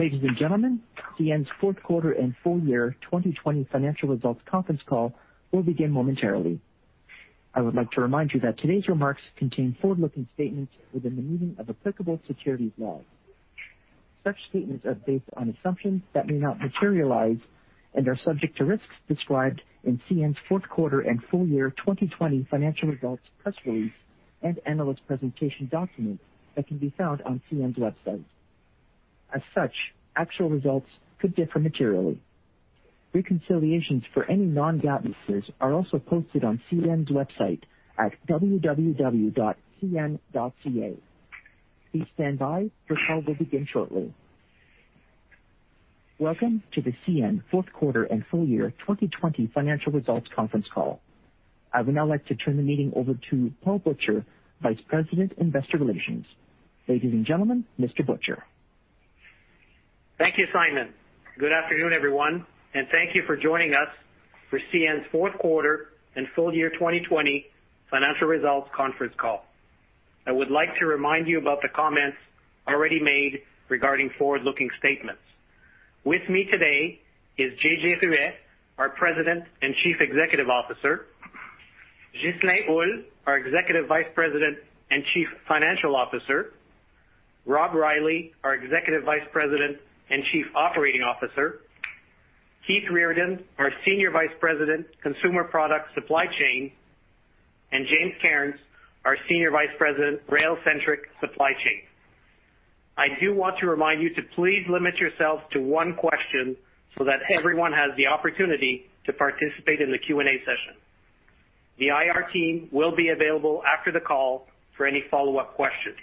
Ladies and gentlemen, CN's fourth quarter and full-year 2020 financial results conference call will begin momentarily. I would like to remind you that today's remarks contain forward-looking statements within the meaning of applicable securities laws. Such statements are based on assumptions that may not materialize and are subject to risks described in CN's fourth quarter and full-year 2020 financial results press release and analyst presentation document that can be found on CN's website. As such, actual results could differ materially. Reconciliations for any non-GAAP measures are also posted on CN's website at www.cn.ca. Please stand by. The call will begin shortly. Welcome to the CN fourth quarter and full-year 2020 financial results conference call. I would now like to turn the meeting over to Paul Butcher, Vice President, Investor Relations. Ladies and gentlemen, Mr. Butcher. Thank you, Simon. Good afternoon, everyone, and thank you for joining us for CN's fourth quarter and full-year 2020 financial results conference call. I would like to remind you about the comments already made regarding forward-looking statements. With me today is JJ Ruest, our President and Chief Executive Officer, Ghislain Houle, our Executive Vice President and Chief Financial Officer, Rob Reilly, our Executive Vice President and Chief Operating Officer, Keith Reardon, our Senior Vice President, Consumer Products Supply Chain, and James Cairns, our Senior Vice President, Rail Centric Supply Chain. I do want to remind you to please limit yourself to one question so that everyone has the opportunity to participate in the Q&A session. The IR team will be available after the call for any follow-up questions.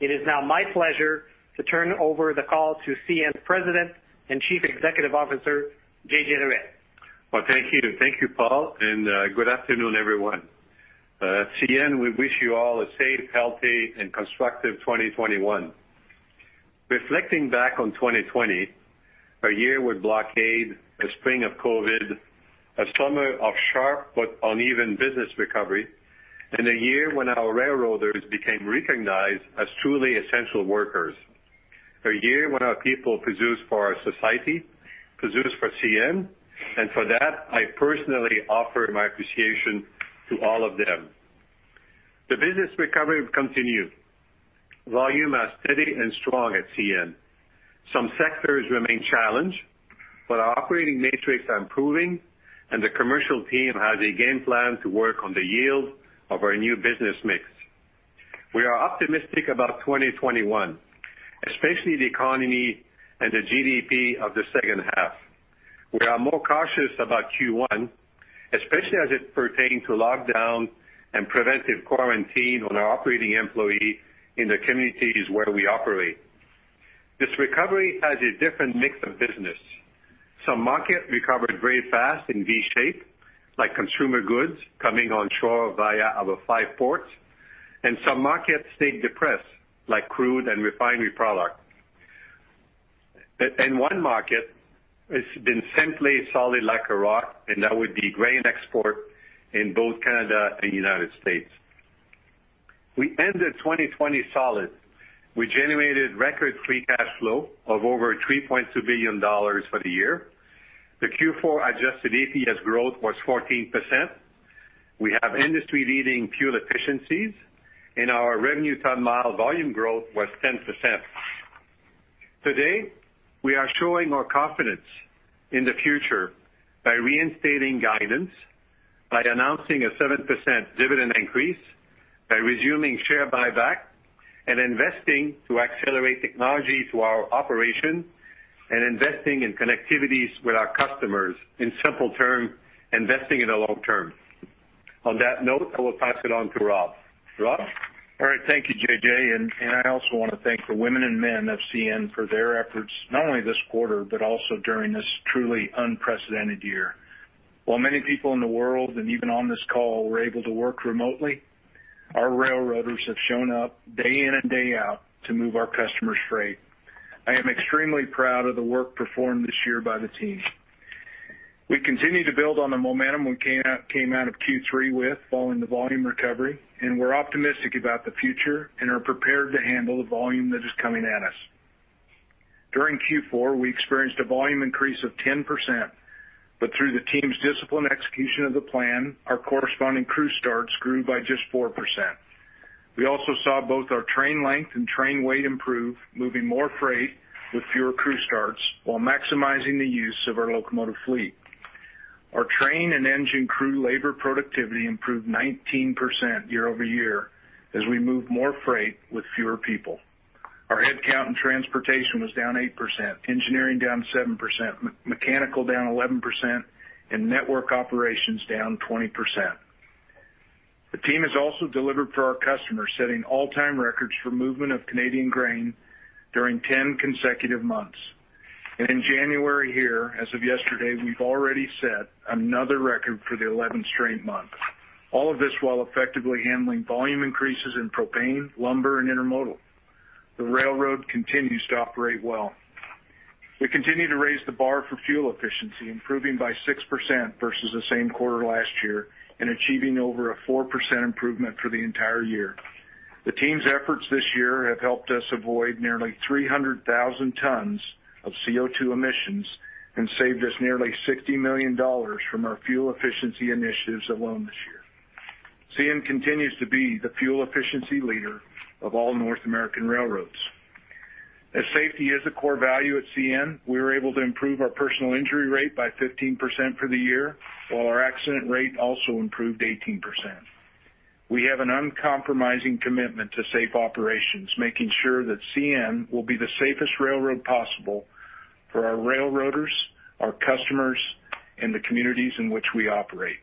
It is now my pleasure to turn over the call to CN's President and Chief Executive Officer, JJ Ruest. Well, thank you. Thank you, Paul. Good afternoon, everyone. At CN, we wish you all a safe, healthy, and constructive 2021. Reflecting back on 2020, a year with blockade, a spring of COVID, a summer of sharp but uneven business recovery, a year when our railroaders became recognized as truly essential workers. A year when our people produced for our society, produced for CN, for that, I personally offer my appreciation to all of them. The business recovery continued. Volume are steady and strong at CN. Some sectors remain challenged, our operating metrics are improving, the commercial team has a game plan to work on the yield of our new business mix. We are optimistic about 2021, especially the economy and the GDP of the second half. We are more cautious about Q1, especially as it pertains to lockdown and preventive quarantine on our operating employee in the communities where we operate. This recovery has a different mix of business. Some markets recovered very fast in V-shape, like consumer goods coming on shore via our five ports, and some markets stayed depressed, like crude and refinery product. In one market, it's been simply solid like a rock, and that would be grain export in both Canada and United States. We ended 2020 solid. We generated record free cash flow of over 3.2 billion dollars for the year. The Q4 adjusted EPS growth was 14%. We have industry-leading fuel efficiencies, and our revenue ton-mile volume growth was 10%. Today, we are showing our confidence in the future by reinstating guidance, by announcing a 7% dividend increase, by resuming share buyback, and investing to accelerate technology to our operation and investing in connectivities with our customers. In simple terms, investing in the long term. On that note, I will pass it on to Rob. Rob? All right. Thank you, JJ. I also want to thank the women and men of CN for their efforts, not only this quarter, but also during this truly unprecedented year. While many people in the world, and even on this call, were able to work remotely, our railroaders have shown up day in and day out to move our customers' freight. I am extremely proud of the work performed this year by the team. We continue to build on the momentum we came out of Q3 with following the volume recovery, and we're optimistic about the future and are prepared to handle the volume that is coming at us. During Q4, we experienced a volume increase of 10%, but through the team's disciplined execution of the plan, our corresponding crew starts grew by just 4%. We also saw both our train length and train weight improve, moving more freight with fewer crew starts while maximizing the use of our locomotive fleet. Our train and engine crew labor productivity improved 19% year-over-year as we moved more freight with fewer people. Our headcount in transportation was down 8%, engineering down 7%, mechanical down 11%, and network operations down 20%. The team has also delivered for our customers, setting all-time records for movement of Canadian grain during 10 consecutive months. In January here, as of yesterday, we've already set another record for the 11th straight month. All of this while effectively handling volume increases in propane, lumber, and intermodal. The railroad continues to operate well. We continue to raise the bar for fuel efficiency, improving by 6% versus the same quarter last year and achieving over a 4% improvement for the entire year. The team's efforts this year have helped us avoid nearly 300,000 tons of CO2 emissions and saved us nearly 60 million dollars from our fuel efficiency initiatives alone this year. CN continues to be the fuel efficiency leader of all North American railroads. As safety is a core value at CN, we were able to improve our personal injury rate by 15% for the year, while our accident rate also improved 18%. We have an uncompromising commitment to safe operations, making sure that CN will be the safest railroad possible for our railroaders, our customers, and the communities in which we operate.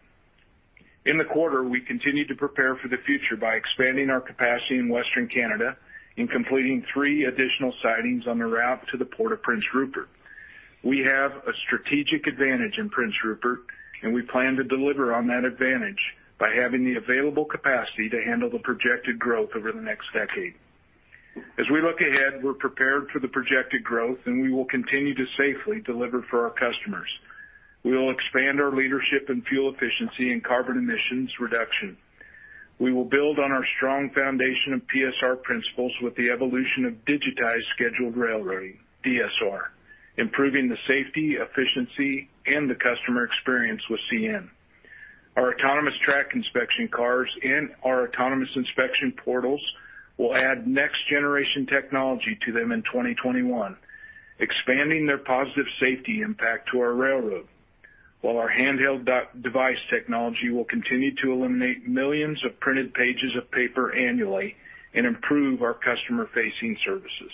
In the quarter, we continued to prepare for the future by expanding our capacity in Western Canada and completing three additional sidings on the route to the Port of Prince Rupert. We have a strategic advantage in Prince Rupert, and we plan to deliver on that advantage by having the available capacity to handle the projected growth over the next decade. As we look ahead, we're prepared for the projected growth, and we will continue to safely deliver for our customers. We will expand our leadership in fuel efficiency and carbon emissions reduction. We will build on our strong foundation of PSR principles with the evolution of digital scheduled railroading, DSR, improving the safety, efficiency, and the customer experience with CN. Our autonomous track inspection cars and our autonomous inspection portals will add next generation technology to them in 2021, expanding their positive safety impact to our railroad. Our handheld device technology will continue to eliminate millions of printed pages of paper annually and improve our customer-facing services.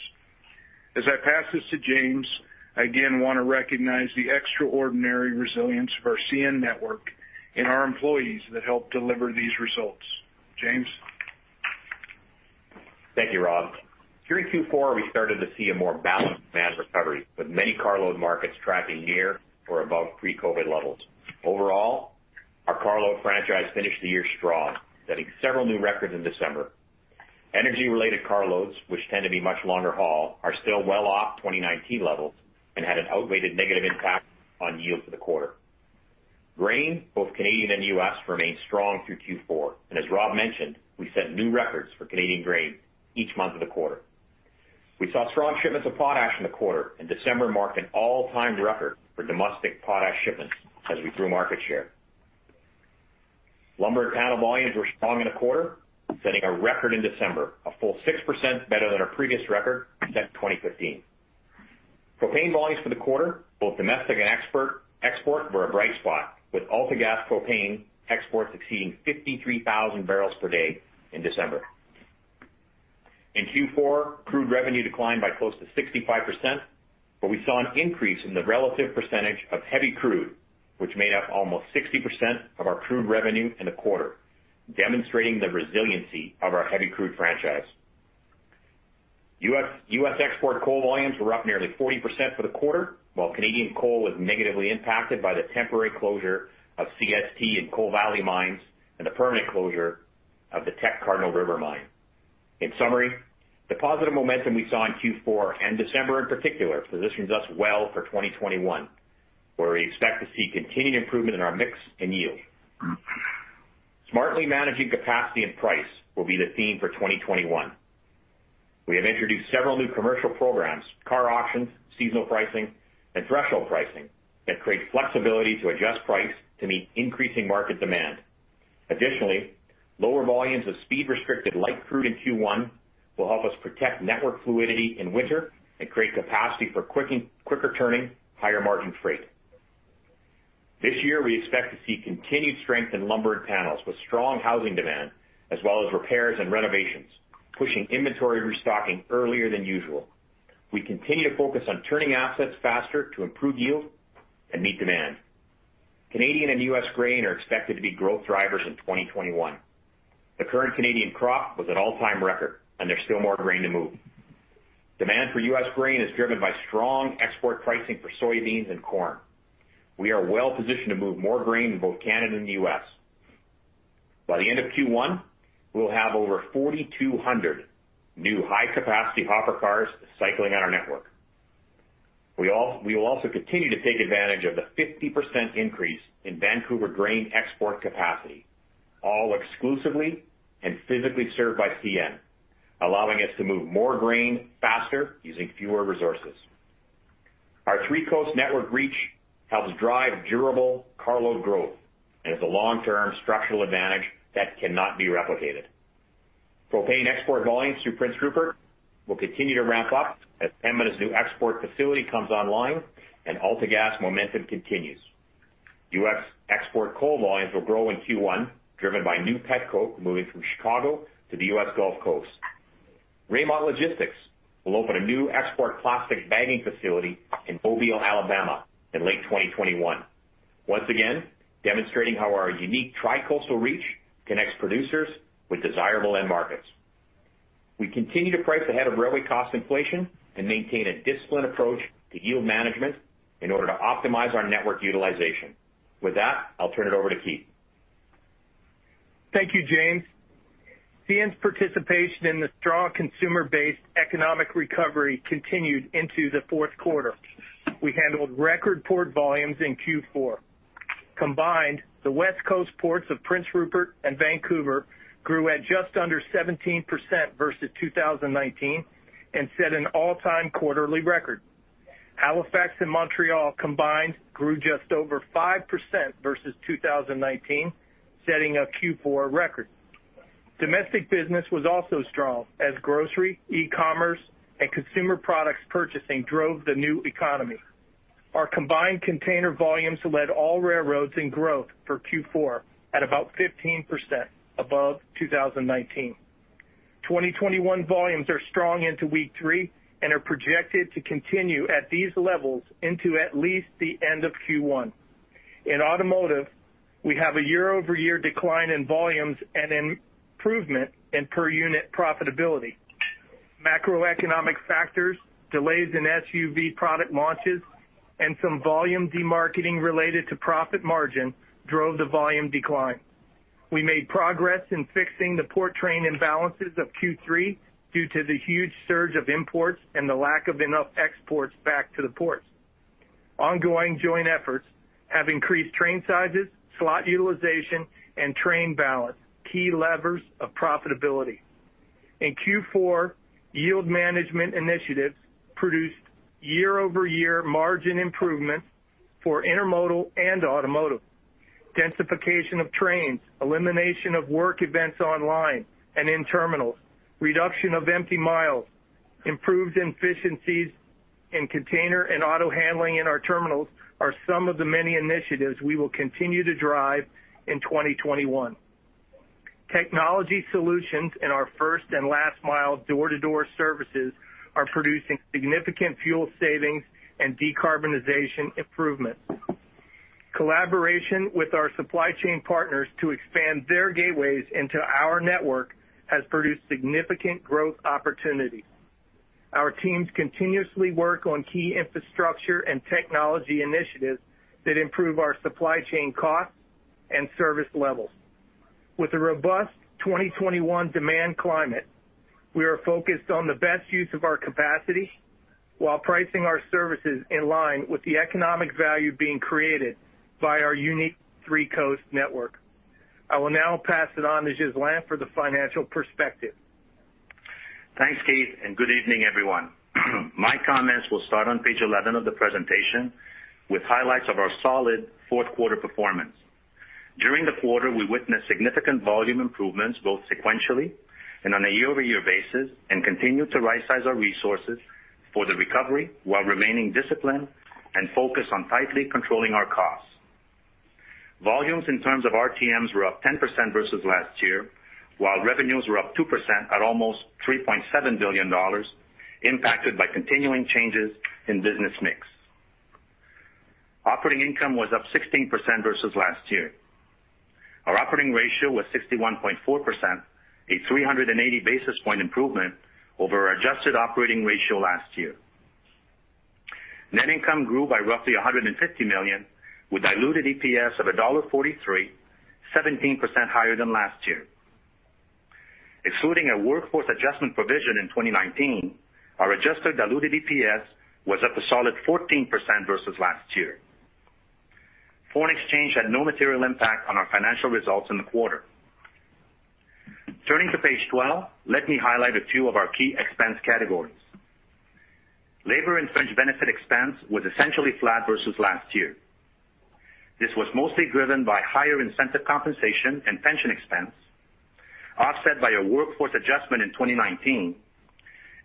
As I pass this to James, I again want to recognize the extraordinary resilience of our CN network and our employees that helped deliver these results. James? Thank you, Rob. During Q4, we started to see a more balanced demand recovery with many carload markets tracking near or above pre-COVID levels. Overall, our carload franchise finished the year strong, setting several new records in December. Energy-related carloads, which tend to be much longer haul, are still well off 2019 levels and had an outweighed negative impact on yield for the quarter. Grain, both Canadian and U.S., remained strong through Q4. As Rob mentioned, we set new records for Canadian grain each month of the quarter. We saw strong shipments of potash in the quarter, and December marked an all-time record for domestic potash shipments as we grew market share. Lumber and panel volumes were strong in the quarter, setting a record in December, a full 6% better than our previous record set in 2015. Propane volumes for the quarter, both domestic and export, were a bright spot, with AltaGas propane exports exceeding 53,000 bbl/d in December. In Q4, crude revenue declined by close to 65%, but we saw an increase in the relative percentage of heavy crude, which made up almost 60% of our crude revenue in the quarter, demonstrating the resiliency of our heavy crude franchise. U.S. export coal volumes were up nearly 40% for the quarter, while Canadian coal was negatively impacted by the temporary closure of CST and Coal Valley mines and the permanent closure of the Teck Cardinal River mine. In summary, the positive momentum we saw in Q4 and December in particular positions us well for 2021, where we expect to see continued improvement in our mix and yield. Smartly managing capacity and price will be the theme for 2021. We have introduced several new commercial programs, car auctions, seasonal pricing, and threshold pricing that create flexibility to adjust price to meet increasing market demand. Additionally, lower volumes of speed-restricted light crude in Q1 will help us protect network fluidity in winter and create capacity for quicker turning, higher margin freight. This year, we expect to see continued strength in lumber and panels with strong housing demand as well as repairs and renovations, pushing inventory restocking earlier than usual. We continue to focus on turning assets faster to improve yield and meet demand. Canadian and U.S. grain are expected to be growth drivers in 2021. The current Canadian crop was an all-time record, and there's still more grain to move. Demand for U.S. grain is driven by strong export pricing for soybeans and corn. We are well-positioned to move more grain in both Canada and the U.S. By the end of Q1, we will have over 4,200 new high-capacity hopper cars cycling on our network. We will also continue to take advantage of the 50% increase in Vancouver grain export capacity, all exclusively and physically served by CN, allowing us to move more grain faster using fewer resources. Our three-coast network reach helps drive durable carload growth and is a long-term structural advantage that cannot be replicated. Propane export volumes through Prince Rupert will continue to ramp up as Pembina's new export facility comes online and AltaGas momentum continues. U.S. export coal volumes will grow in Q1, driven by new pet coke moving from Chicago to the U.S. Gulf Coast. Ray-Mont Logistics will open a new export plastic bagging facility in Mobile, Alabama, in late 2021. Once again, demonstrating how our unique tri-coastal reach connects producers with desirable end markets. We continue to price ahead of railway cost inflation and maintain a disciplined approach to yield management in order to optimize our network utilization. With that, I'll turn it over to Keith. Thank you, James. CN's participation in the strong consumer-based economic recovery continued into the fourth quarter. We handled record port volumes in Q4. Combined, the West Coast ports of Prince Rupert and Vancouver grew at just under 17% versus 2019 and set an all-time quarterly record. Halifax and Montreal combined grew just over 5% versus 2019, setting a Q4 record. Domestic business was also strong as grocery, e-commerce, and consumer products purchasing drove the new economy. Our combined container volumes led all railroads in growth for Q4 at about 15% above 2019. 2021 volumes are strong into week three and are projected to continue at these levels into at least the end of Q1. In automotive, we have a year-over-year decline in volumes and an improvement in per unit profitability. Macroeconomic factors, delays in SUV product launches, and some volume demarketing related to profit margin drove the volume decline. We made progress in fixing the port train imbalances of Q3 due to the huge surge of imports and the lack of enough exports back to the ports. Ongoing joint efforts have increased train sizes, slot utilization, and train balance, key levers of profitability. In Q4, yield management initiatives produced year-over-year margin improvements for intermodal and automotive. Densification of trains, elimination of work events online and in terminals, reduction of empty miles, improved efficiencies in container and auto handling in our terminals are some of the many initiatives we will continue to drive in 2021. Technology solutions in our first and last mile door-to-door services are producing significant fuel savings and decarbonization improvements. Collaboration with our supply chain partners to expand their gateways into our network has produced significant growth opportunities. Our teams continuously work on key infrastructure and technology initiatives that improve our supply chain costs and service levels. With a robust 2021 demand climate, we are focused on the best use of our capacity while pricing our services in line with the economic value being created by our unique three-coast network. I will now pass it on to Ghislain for the financial perspective. Thanks, Keith. Good evening, everyone. My comments will start on page 11 of the presentation with highlights of our solid fourth quarter performance. During the quarter, we witnessed significant volume improvements, both sequentially and on a year-over-year basis, and continued to right-size our resources for the recovery while remaining disciplined and focused on tightly controlling our costs. Volumes in terms of RTMs were up 10% versus last year, while revenues were up 2% at almost 3.7 billion dollars, impacted by continuing changes in business mix. Operating income was up 16% versus last year. Our operating ratio was 61.4%, a 380 basis point improvement over our adjusted operating ratio last year. Net income grew by roughly 150 million, with diluted EPS of dollar 1.43, 17% higher than last year. Excluding a workforce adjustment provision in 2019, our adjusted diluted EPS was up a solid 14% versus last year. Foreign exchange had no material impact on our financial results in the quarter. Turning to page 12, let me highlight a few of our key expense categories. Labor and fringe benefit expense was essentially flat versus last year. This was mostly driven by higher incentive compensation and pension expense, offset by a workforce adjustment in 2019,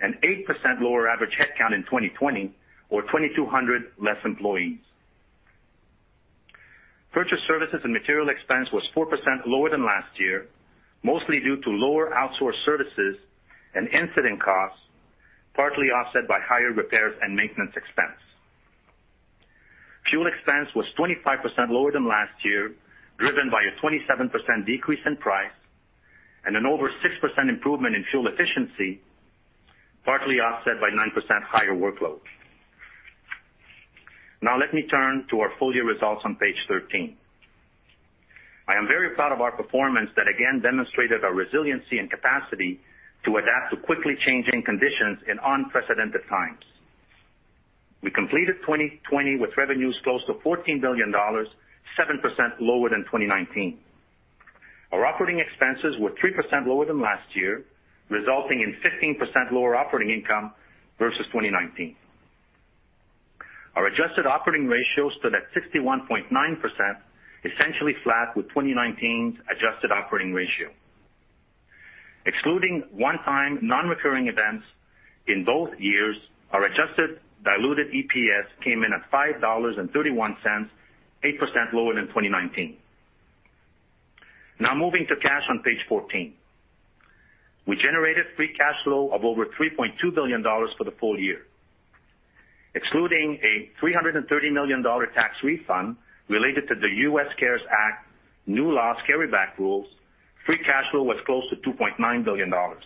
an 8% lower average headcount in 2020 or 2,200 less employees. Purchased services and material expense was 4% lower than last year, mostly due to lower outsourced services and incident costs, partly offset by higher repairs and maintenance expense. Fuel expense was 25% lower than last year, driven by a 27% decrease in price and an over 6% improvement in fuel efficiency, partly offset by 9% higher workload. Now let me turn to our full-year results on page 13. I am very proud of our performance that again demonstrated our resiliency and capacity to adapt to quickly changing conditions in unprecedented times. We completed 2020 with revenues close to 14 billion dollars, 7% lower than 2019. Our operating expenses were 3% lower than last year, resulting in 15% lower operating income versus 2019. Our adjusted operating ratio stood at 61.9%, essentially flat with 2019's adjusted operating ratio. Excluding one-time non-recurring events in both years, our adjusted diluted EPS came in at 5.31 dollars, 8% lower than 2019. Now moving to cash on page 14. We generated free cash flow of over 3.2 billion dollars for the full-year. Excluding a 330 million dollar tax refund related to the U.S. CARES Act new loss carryback rules, free cash flow was close to 2.9 billion dollars.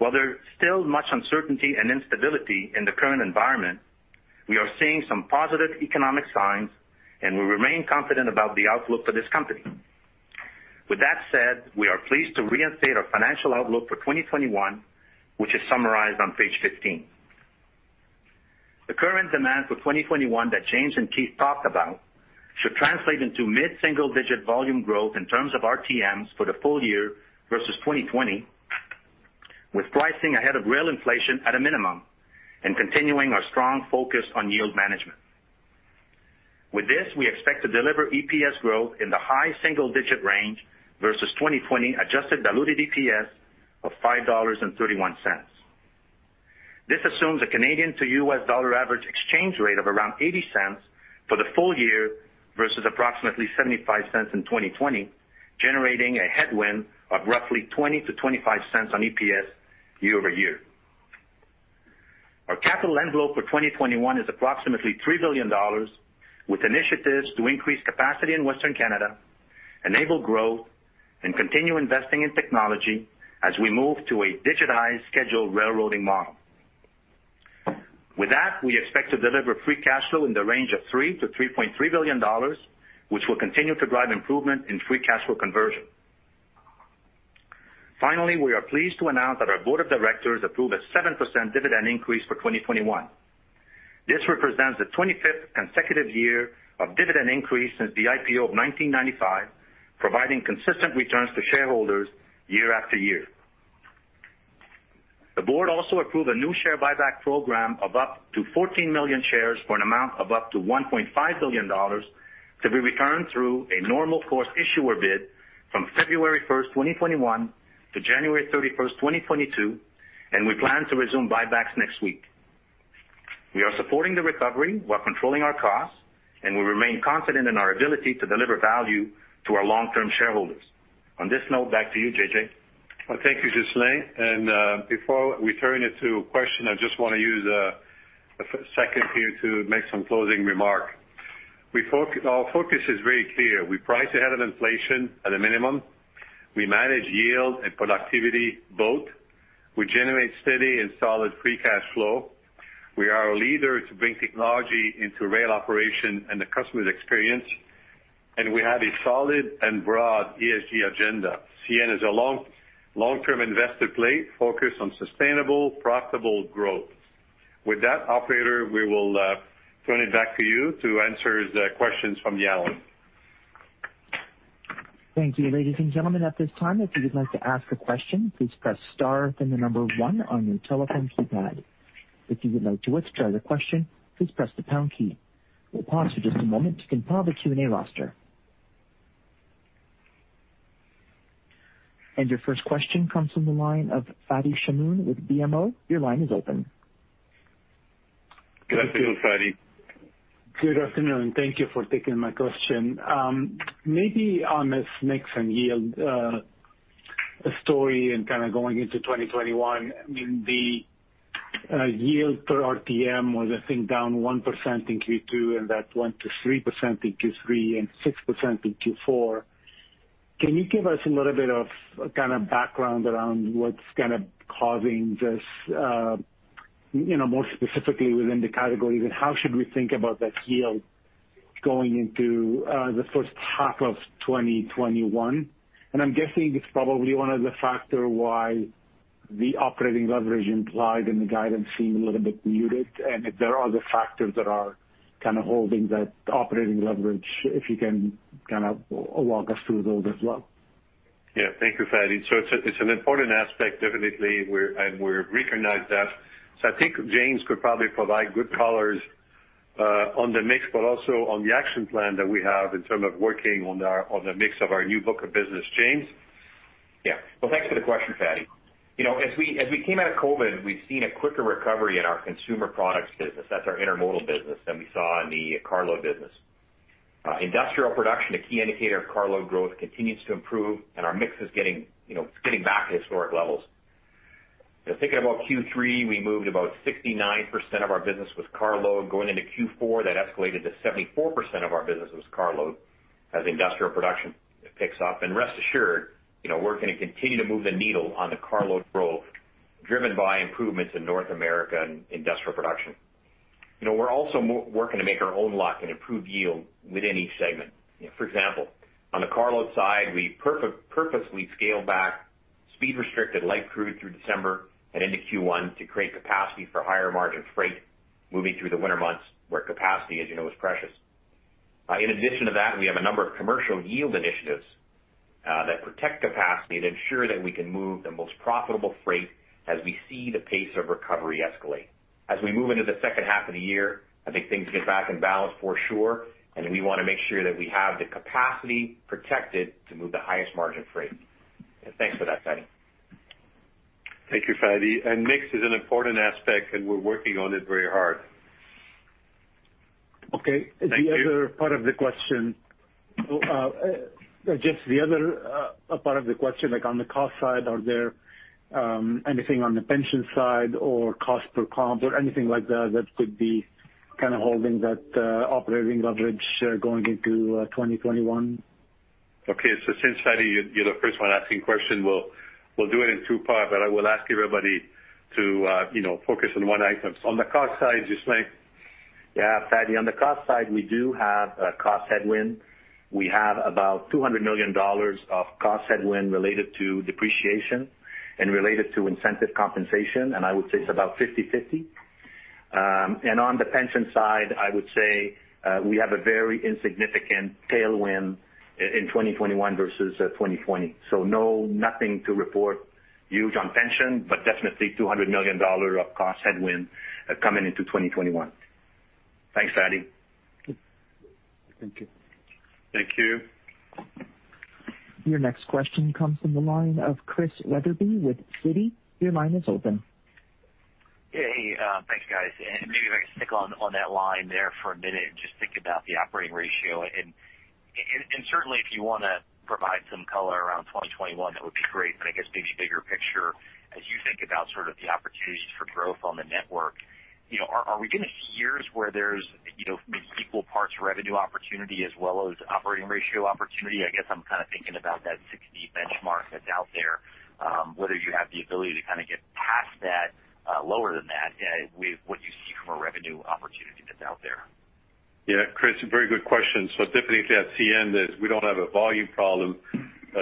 There's still much uncertainty and instability in the current environment, we are seeing some positive economic signs, and we remain confident about the outlook for this company. With that said, we are pleased to reinstate our financial outlook for 2021, which is summarized on page 15. The current demand for 2021 that James and Keith talked about should translate into mid-single-digit volume growth in terms of RTMs for the full-year versus 2020, with pricing ahead of rail inflation at a minimum, and continuing our strong focus on yield management. With this, we expect to deliver EPS growth in the high single-digit range versus 2020 adjusted diluted EPS of 5.31 dollars. This assumes a Canadian to U.S. dollar average exchange rate of around $0.80 for the full-year versus approximately $0.75 in 2020, generating a headwind of roughly 0.20-0.25 on EPS year-over-year. Our capital envelope for 2021 is approximately 3 billion dollars, with initiatives to increase capacity in Western Canada, enable growth, and continue investing in technology as we move to a digital scheduled railroading model. With that, we expect to deliver free cash flow in the range of 3 billion-3.3 billion dollars, which will continue to drive improvement in free cash flow conversion. Finally, we are pleased to announce that our Board of Directors approved a 7% dividend increase for 2021. This represents the 25th consecutive year of dividend increase since the IPO of 1995, providing consistent returns to shareholders year after year. The board also approved a new share buyback program of up to 14 million shares for an amount of up to 1.5 billion dollars, to be returned through a normal course issuer bid from February 1, 2021 to January 31, 2022. We plan to resume buybacks next week. We are supporting the recovery while controlling our costs, and we remain confident in our ability to deliver value to our long-term shareholders. On this note, back to you, JJ. Well, thank you, Ghislain. Before we turn it to question, I just want to use a second here to make some closing remark. Our focus is very clear. We price ahead of inflation at a minimum. We manage yield and productivity both. We generate steady and solid free cash flow. We are a leader to bring technology into rail operation and the customer's experience, and we have a solid and broad ESG agenda. CN is a long-term investor play focused on sustainable, profitable growth. With that, operator, we will turn it back to you to answer the questions from the analyst. Your first question comes from the line of Fadi Chamoun with BMO. Your line is open. Good afternoon, Fadi. Good afternoon. Thank you for taking my question. Maybe on this mix and yield story and kind of going into 2021, I mean, the yield per RTM was, I think, down 1% in Q2, and that went to 3% in Q3 and 6% in Q4. Can you give us a little bit of kind of background around what's kind of causing this, more specifically within the categories, and how should we think about that yield going into the first half of 2021? I'm guessing it's probably one of the factor why the operating leverage implied in the guidance seemed a little bit muted, and if there are other factors that are kind of holding that operating leverage, if you can kind of walk us through those as well. Yeah. Thank you, Fadi. It's an important aspect, definitely, and we recognize that. I think James could probably provide good colors on the mix, but also on the action plan that we have in terms of working on the mix of our new book of business. James? Yeah. Well, thanks for the question, Fadi. As we came out of COVID, we've seen a quicker recovery in our consumer products business, that's our intermodal business, than we saw in the carload business. Industrial production, a key indicator of carload growth, continues to improve. Our mix is getting back to historic levels. Thinking about Q3, we moved about 69% of our business with carload. Going into Q4, that escalated to 74% of our business was carload as industrial production picks up. Rest assured, we're going to continue to move the needle on the carload growth driven by improvements in North America and industrial production. We're also working to make our own luck and improve yield within each segment. For example, on the carload side, we purposefully scaled back speed-restricted light crude through December and into Q1 to create capacity for higher-margin freight moving through the winter months where capacity, as you know, is precious. In addition to that, we have a number of commercial yield initiatives that protect capacity to ensure that we can move the most profitable freight as we see the pace of recovery escalate. As we move into the second half of the year, I think things get back in balance for sure, and we want to make sure that we have the capacity protected to move the highest-margin freight. Thanks for that, Fadi. Thank you, Fadi. Mix is an important aspect, and we're working on it very hard. Okay. Thank you. The other part of the question, like on the cost side, are there anything on the pension side or cost per comp or anything like that that could be kind of holding that operating leverage going into 2021? Okay. Since, Fadi, you're the first one asking question, we'll do it in two parts, but I will ask everybody to focus on one item. On the cost side, Ghislain. Yeah, Fadi, on the cost side, we do have a cost headwind. We have about 200 million dollars of cost headwind related to depreciation and related to incentive compensation, and I would say it's about 50/50. On the pension side, I would say we have a very insignificant tailwind in 2021 versus 2020. No, nothing to report huge on pension, but definitely 200 million dollars of cost headwind coming into 2021. Thanks, Fadi. Thank you. Thank you. Your next question comes from the line of Chris Wetherbee with Citi. Your line is open. Hey. Thanks, guys. Maybe if I can stick on that line there for a minute and just think about the operating ratio. Certainly, if you want to provide some color around 2021, that would be great. I guess maybe bigger picture, as you think about sort of the opportunities for growth on the network, are we going to hear where there's maybe equal parts revenue opportunity as well as operating ratio opportunity? I guess I'm kind of thinking about that 60 benchmark that's out there, whether you have the ability to kind of get past that, lower than that with what you see from a revenue opportunity that's out there. Yeah. Chris, very good question. Definitely at CN is we don't have a volume problem.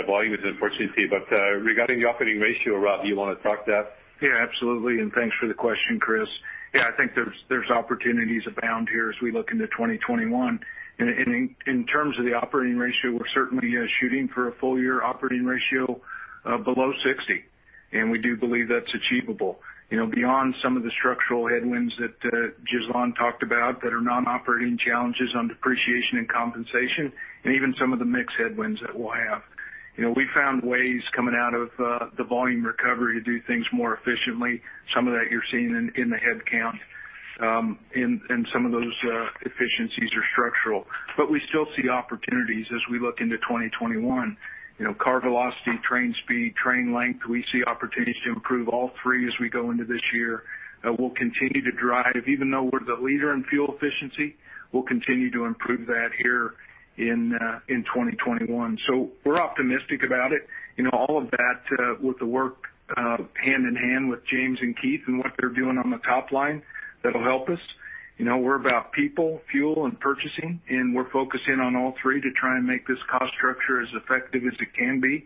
Volume is an opportunity. Regarding the operating ratio, Rob, you want to talk to that? Absolutely, and thanks for the question, Chris. I think there's opportunities abound here as we look into 2021. In terms of the operating ratio, we're certainly shooting for a full-year operating ratio below 60, and we do believe that's achievable. Beyond some of the structural headwinds that Ghislain talked about that are non-operating challenges on depreciation and compensation, even some of the mix headwinds that we'll have. We found ways coming out of the volume recovery to do things more efficiently. Some of that you're seeing in the headcount, some of those efficiencies are structural. We still see opportunities as we look into 2021. Car velocity, train speed, train length, we see opportunities to improve all three as we go into this year. We'll continue to drive, even though we're the leader in fuel efficiency, we'll continue to improve that here in 2021. We're optimistic about it. All of that with the work hand-in-hand with James and Keith and what they're doing on the top line, that'll help us. We're about people, fuel, and purchasing, and we're focusing on all three to try and make this cost structure as effective as it can be.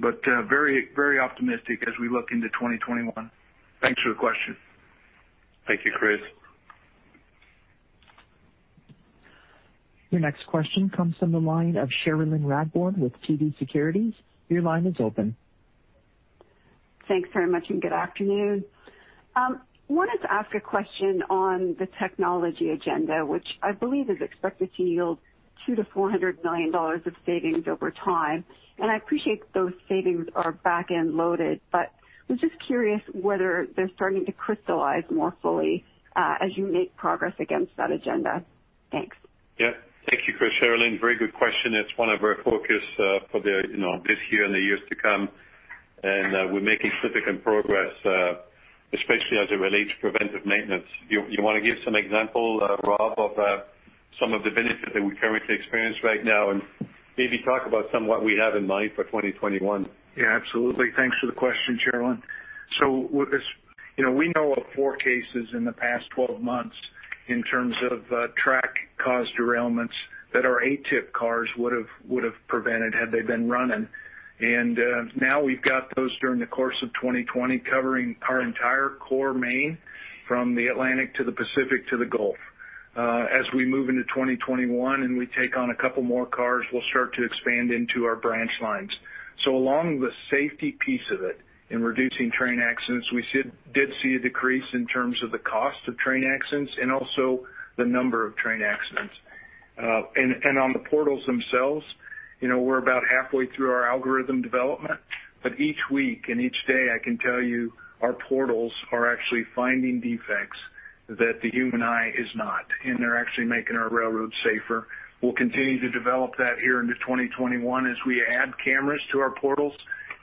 Very optimistic as we look into 2021. Thanks for the question. Thank you, Chris. Your next question comes from the line of Cherilyn Radbourne with TD Securities. Your line is open. Thanks very much, and good afternoon. Wanted to ask a question on the technology agenda, which I believe is expected to yield 200 million-400 million dollars of savings over time. I appreciate those savings are back-end loaded, but was just curious whether they're starting to crystallize more fully as you make progress against that agenda. Thanks. Yeah. Thank you for Cherilyn. Very good question. It's one of our focus for this year and the years to come, and we're making significant progress, especially as it relates to preventive maintenance. You want to give some example, Rob, of some of the benefits that we currently experience right now, and maybe talk about some what we have in mind for 2021? Yeah, absolutely. Thanks for the question, Cherilyn. We know of four cases in the past 12 months in terms of track-caused derailments that our ATIP cars would have prevented had they been running. Now we've got those during the course of 2020 covering our entire core main from the Atlantic to the Pacific to the Gulf. As we move into 2021 and we take on a couple more cars, we'll start to expand into our branch lines. Along the safety piece of it in reducing train accidents, we did see a decrease in terms of the cost of train accidents and also the number of train accidents. On the portals themselves, we're about halfway through our algorithm development, but each week and each day, I can tell you our portals are actually finding defects that the human eye is not, and they're actually making our railroads safer. We'll continue to develop that here into 2021 as we add cameras to our portals,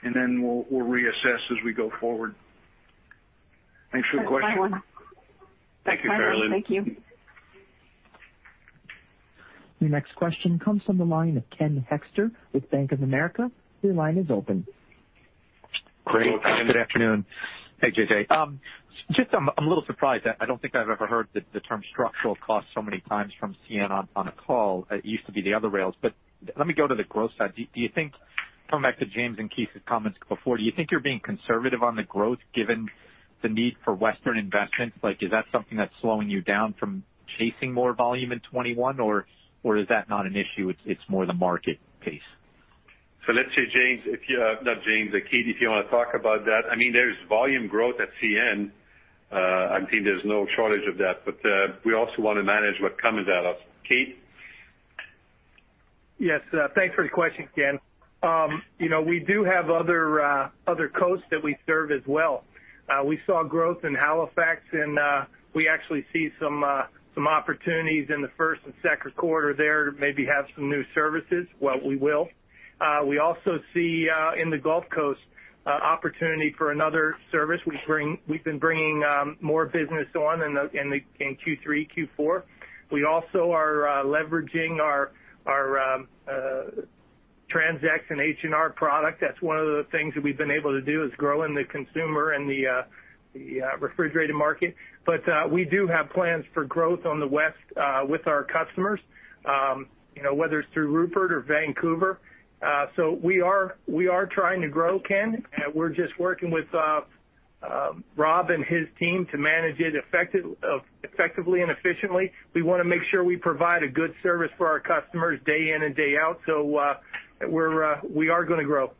and then we'll reassess as we go forward. Thanks for the question. That's my one. Thank you, Cherilyn. Thank you. Your next question comes from the line of Ken Hoexter with Bank of America. Your line is open. Good afternoon. Great. Good afternoon. Hey, JJ. Just I'm a little surprised that I don't think I've ever heard the term structural cost so many times from CN on a call. It used to be the other rails. Let me go to the growth side. Do you think, coming back to James and Keith's comments before, do you think you're being conservative on the growth given the need for Western investment? Is that something that's slowing you down from chasing more volume in 2021, or is that not an issue, it's more the market pace? Let's see, James. Not James. Keith, if you want to talk about that. There is volume growth at CN. I think there's no shortage of that, but we also want to manage what comes at us. Keith? Yes. Thanks for the question, Ken. We do have other coasts that we serve as well. We saw growth in Halifax. We actually see some opportunities in the first and second quarter there to maybe have some new services. Well, we will. We also see in the Gulf Coast opportunity for another service. We've been bringing more business on in Q3, Q4. We also are leveraging our TransX and H&R product. That's one of the things that we've been able to do, is grow in the consumer and the refrigerated market. We do have plans for growth on the West with our customers, whether it's through Rupert or Vancouver. We are trying to grow, Ken, we're just working with Rob and his team to manage it effectively and efficiently. We want to make sure we provide a good service for our customers day in and day out. We are going to grow.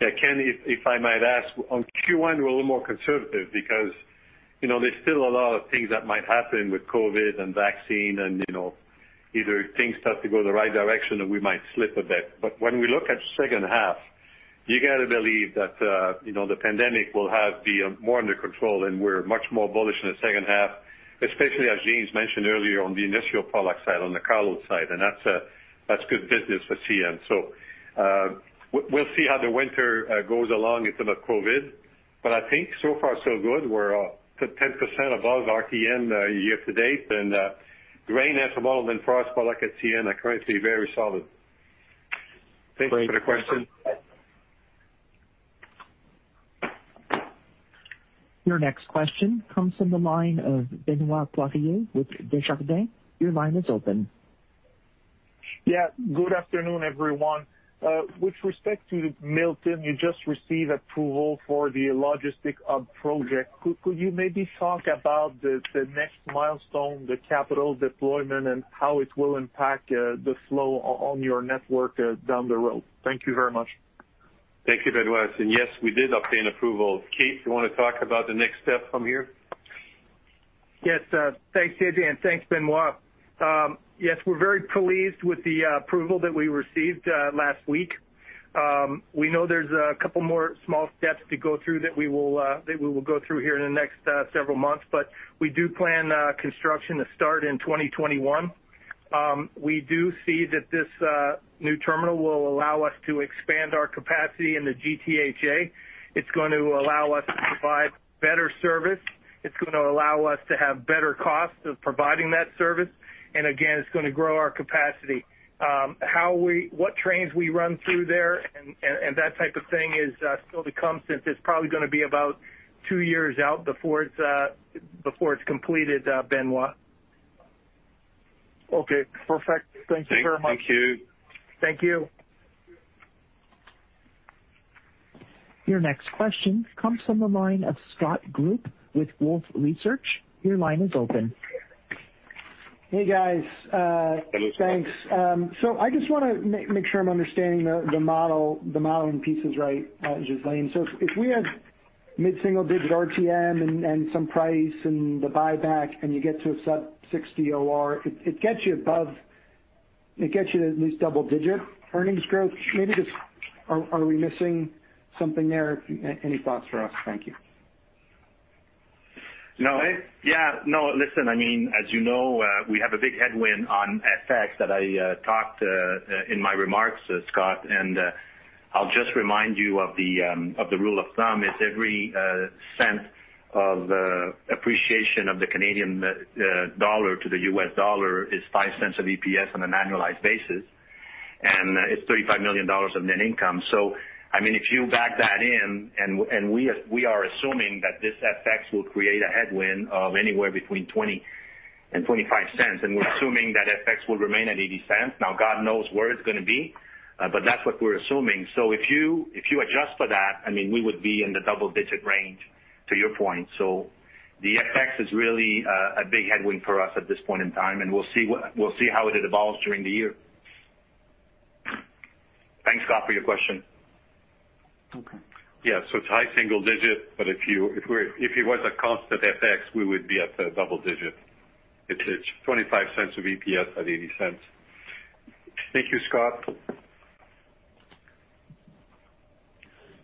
Yeah, Ken, if I might ask, on Q1, we're a little more conservative because there's still a lot of things that might happen with COVID and vaccine and either things start to go the right direction or we might slip a bit. When we look at the second half, you got to believe that the pandemic will have to be more under control, and we're much more bullish in the second half, especially as James' mentioned earlier on the initial product side, on the cargo side. That's good business for CN. We'll see how the winter goes along in terms of COVID, but I think so far so good. We're up to 10% above RTM year-to-date, and grain as a model and for us at CN are currently very solid. Thanks for the question. Your next question comes from the line of Benoit Poirier with Desjardins. Your line is open. Yeah. Good afternoon, everyone. With respect to Milton, you just received approval for the logistics hub project. Could you maybe talk about the next milestone, the capital deployment, and how it will impact the flow on your network down the road? Thank you very much. Thank you, Benoit. Yes, we did obtain approval. Keith, you want to talk about the next step from here? Thanks, JJ. Thanks, Benoit. We're very pleased with the approval that we received last week. We know there's a couple more small steps to go through that we will go through here in the next several months, but we do plan construction to start in 2021. We do see that this new terminal will allow us to expand our capacity in the GTHA. It's going to allow us to provide better service. It's going to allow us to have better costs of providing that service. Again, it's going to grow our capacity. What trains we run through there and that type of thing is still to come, since it's probably going to be about two years out before it's completed, Benoit. Okay, perfect. Thank you very much. Thank you. Thank you. Your next question comes from the line of Scott Group with Wolfe Research. Your line is open. Hey, guys. Hello, Scott. Thanks. I just want to make sure I'm understanding the modeling pieces right. If we have mid single-digit RTM and some price and the buyback, and you get to a sub-60 OR, it gets you to at least double-digit earnings growth. Maybe just are we missing something there? Any thoughts for us? Thank you. We have a big headwind on FX that I talked in my remarks, Scott, and I'll just remind you of the rule of thumb is every cent of appreciation of the Canadian dollar to the U.S. dollar is 0.05 of EPS on an annualized basis, and it's 35 million dollars of net income. If you back that in, we are assuming that this FX will create a headwind of anywhere between 0.20 and 0.25, we're assuming that FX will remain at 0.80. God knows where it's going to be. That's what we're assuming. If you adjust for that, we would be in the double-digit range to your point. The FX is really a big headwind for us at this point in time, we'll see how it evolves during the year. Thanks, Scott, for your question. Okay. Yeah. It's high single digit. If it was a constant FX, we would be at the double digit. It's 0.25 of EPS at 0.80. Thank you, Scott.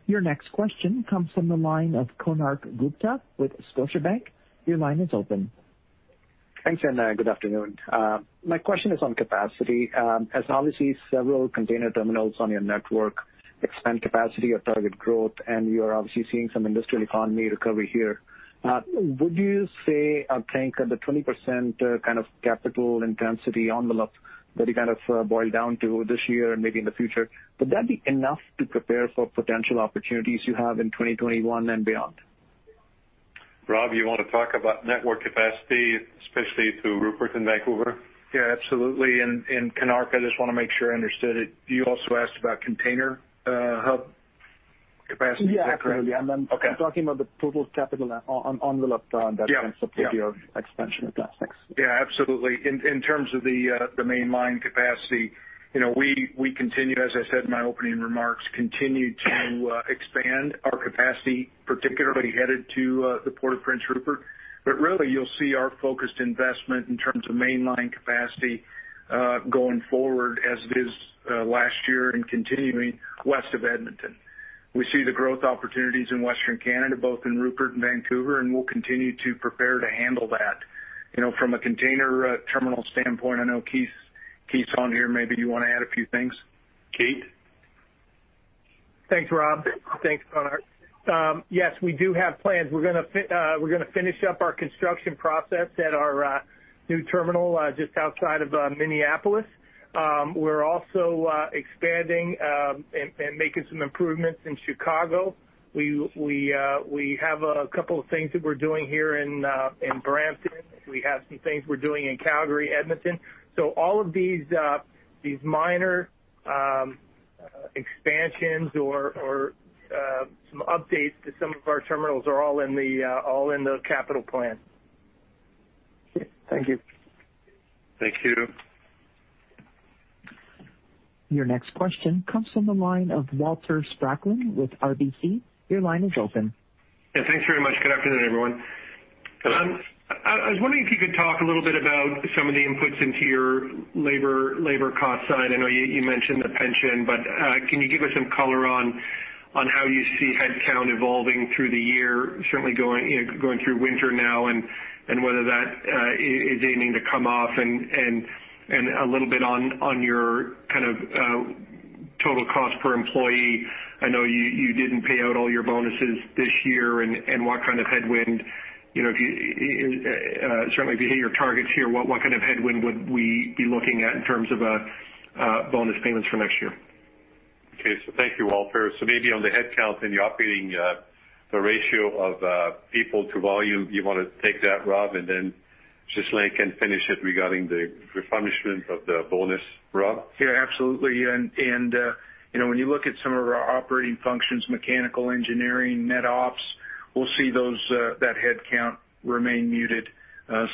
Your next question comes from the line of Konark Gupta with Scotiabank. Thanks. Good afternoon. My question is on capacity. Obviously several container terminals on your network expand capacity or target growth, and you are obviously seeing some industrial economy recovery here. Would you say or think the 20% kind of capital intensity envelope that you kind of boil down to this year and maybe in the future, would that be enough to prepare for potential opportunities you have in 2021 and beyond? Rob, you want to talk about network capacity, especially through Rupert and Vancouver? Yeah, absolutely. Konark, I just want to make sure I understood it. You also asked about container hub capacity, is that correct? Yeah, absolutely. Okay. I'm talking about the total capital on the left on that- Yeah. In support of your expansion plans. Thanks. Yeah, absolutely. In terms of the mainline capacity, we continue, as I said in my opening remarks, continue to expand our capacity, particularly headed to the Port of Prince Rupert. Really you'll see our focused investment in terms of mainline capacity, going forward as it is last year and continuing west of Edmonton. We see the growth opportunities in Western Canada, both in Rupert and Vancouver, we'll continue to prepare to handle that. From a container terminal standpoint, I know Keith's on here, maybe you want to add a few things? Keith? Thanks, Rob. Thanks, Konark. Yes, we do have plans. We're going to finish up our construction process at our new terminal just outside of Minneapolis. We're also expanding and making some improvements in Chicago. We have a couple of things that we're doing here in Brampton. We have some things we're doing in Calgary, Edmonton. All of these minor expansions or some updates to some of our terminals are all in the capital plan. Okay. Thank you. Thank you. Your next question comes from the line of Walter Spracklin with RBC. Your line is open. Yeah. Thanks very much. Good afternoon, everyone. Good afternoon. I was wondering if you could talk a little bit about some of the inputs into your labor cost side. I know you mentioned the pension, but can you give us some color on how you see headcount evolving through the year? Certainly going through winter now, and whether that is aiming to come off, and a little on your kind of total cost per employee. I know you didn't pay out all your bonuses this year, and what kind of headwind, certainly if you hit your targets here, what kind of headwind would we be looking at in terms of bonus payments for next year? Okay. Thank you, Walter. Maybe on the headcount and the operating ratio of people to volume, do you want to take that, Rob? Then Ghislain can finish it regarding the replenishment of the bonus. Rob? Absolutely. When you look at some of our operating functions, mechanical engineering, net ops, we'll see that headcount remain muted.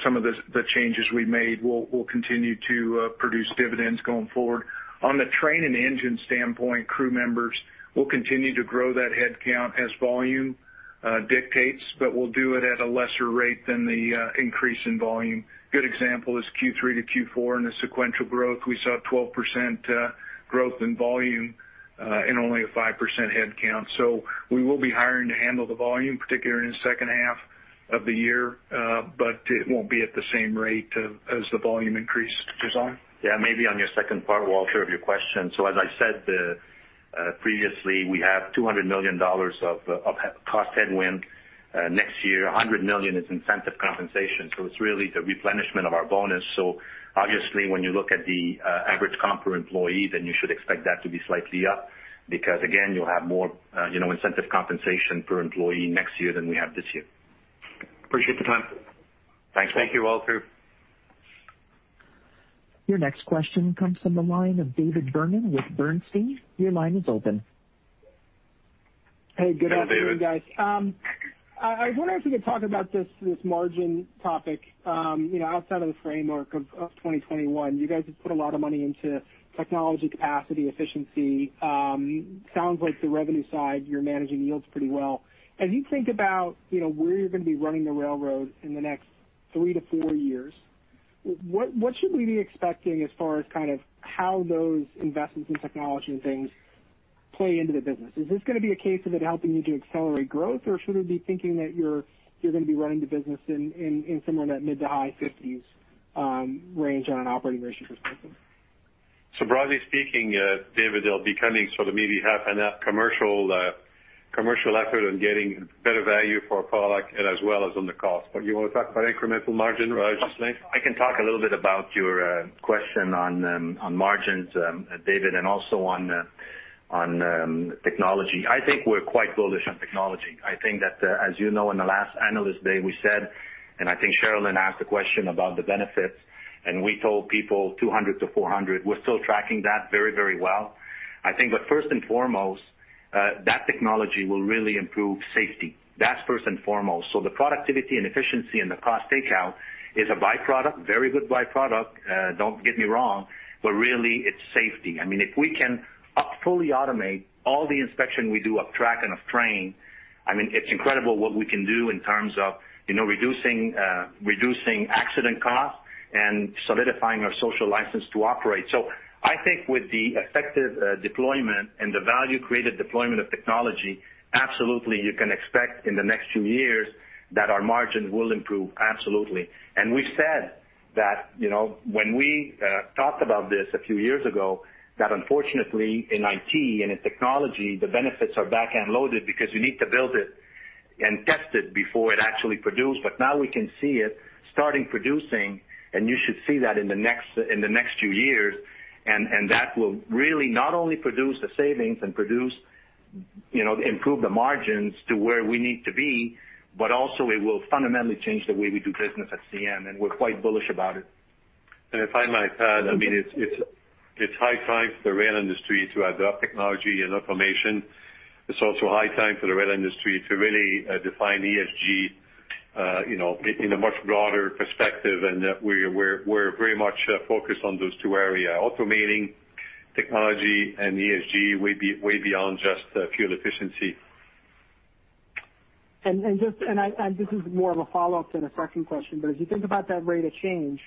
Some of the changes we made will continue to produce dividends going forward. On the train and engine standpoint, crew members will continue to grow that headcount as volume dictates, but we'll do it at a lesser rate than the increase in volume. Good example is Q3 to Q4 and the sequential growth. We saw 12% growth in volume, and only a 5% headcount. We will be hiring to handle the volume, particularly in the second half of the year. It won't be at the same rate as the volume increase. Ghislain? Yeah, maybe on your second part, Walter, of your question. As I said previously, we have 200 million dollars of cost headwind next year. 100 million is incentive compensation. It's really the replenishment of our bonus. Obviously, when you look at the average comp per employee, you should expect that to be slightly up, because again, you'll have more incentive compensation per employee next year than we have this year. Appreciate the time. Thanks. Thank you, Walter. Your next question comes from the line of David Vernon with Bernstein. Your line is open. Hey, good afternoon, guys. Hey, David. I was wondering if you could talk about this margin topic outside of the framework of 2021. You guys have put a lot of money into technology capacity, efficiency. Sounds like the revenue side, you're managing yields pretty well. As you think about where you're going to be running the railroad in the next three to four years, what should we be expecting as far as kind of how those investments in technology and things play into the business? Is this going to be a case of it helping you to accelerate growth, or should we be thinking that you're going to be running the business in somewhere in that mid to high 50s range on an operating ratio perspective? Broadly speaking, David, it'll be coming sort of maybe half and half commercial effort and getting better value for our product as well as on the cost. You want to talk about incremental margin, Rob, Ghislain? I can talk a little bit about your question on margins, David, and also on technology. I think we're quite bullish on technology. I think that, as you know, in the last Analyst Day, we said, I think Cherilyn asked a question about the benefits, we told people 200 million-400 million. We're still tracking that very well. I think, first and foremost, that technology will really improve safety. That's first and foremost. The productivity and efficiency and the cost takeout is a byproduct. Very good byproduct, don't get me wrong. Really, it's safety. If we can fully automate all the inspection we do of track and of train, it's incredible what we can do in terms of reducing accident cost and solidifying our social license to operate. I think with the effective deployment and the value created deployment of technology, absolutely, you can expect in the next few years that our margins will improve. Absolutely. We said that when we talked about this a few years ago, that unfortunately in IT and in technology, the benefits are back-end loaded because you need to build it and test it before it actually produce. Now we can see it starting producing, and you should see that in the next few years. That will really not only produce the savings and improve the margins to where we need to be, but also it will fundamentally change the way we do business at CN, and we're quite bullish about it. If I might add, it's high time for the rail industry to adopt technology and automation. It's also high time for the rail industry to really define ESG in a much broader perspective. We're very much focused on those two areas, automating technology and ESG way beyond just fuel efficiency. This is more of a follow-up than a second question. As you think about that rate of change,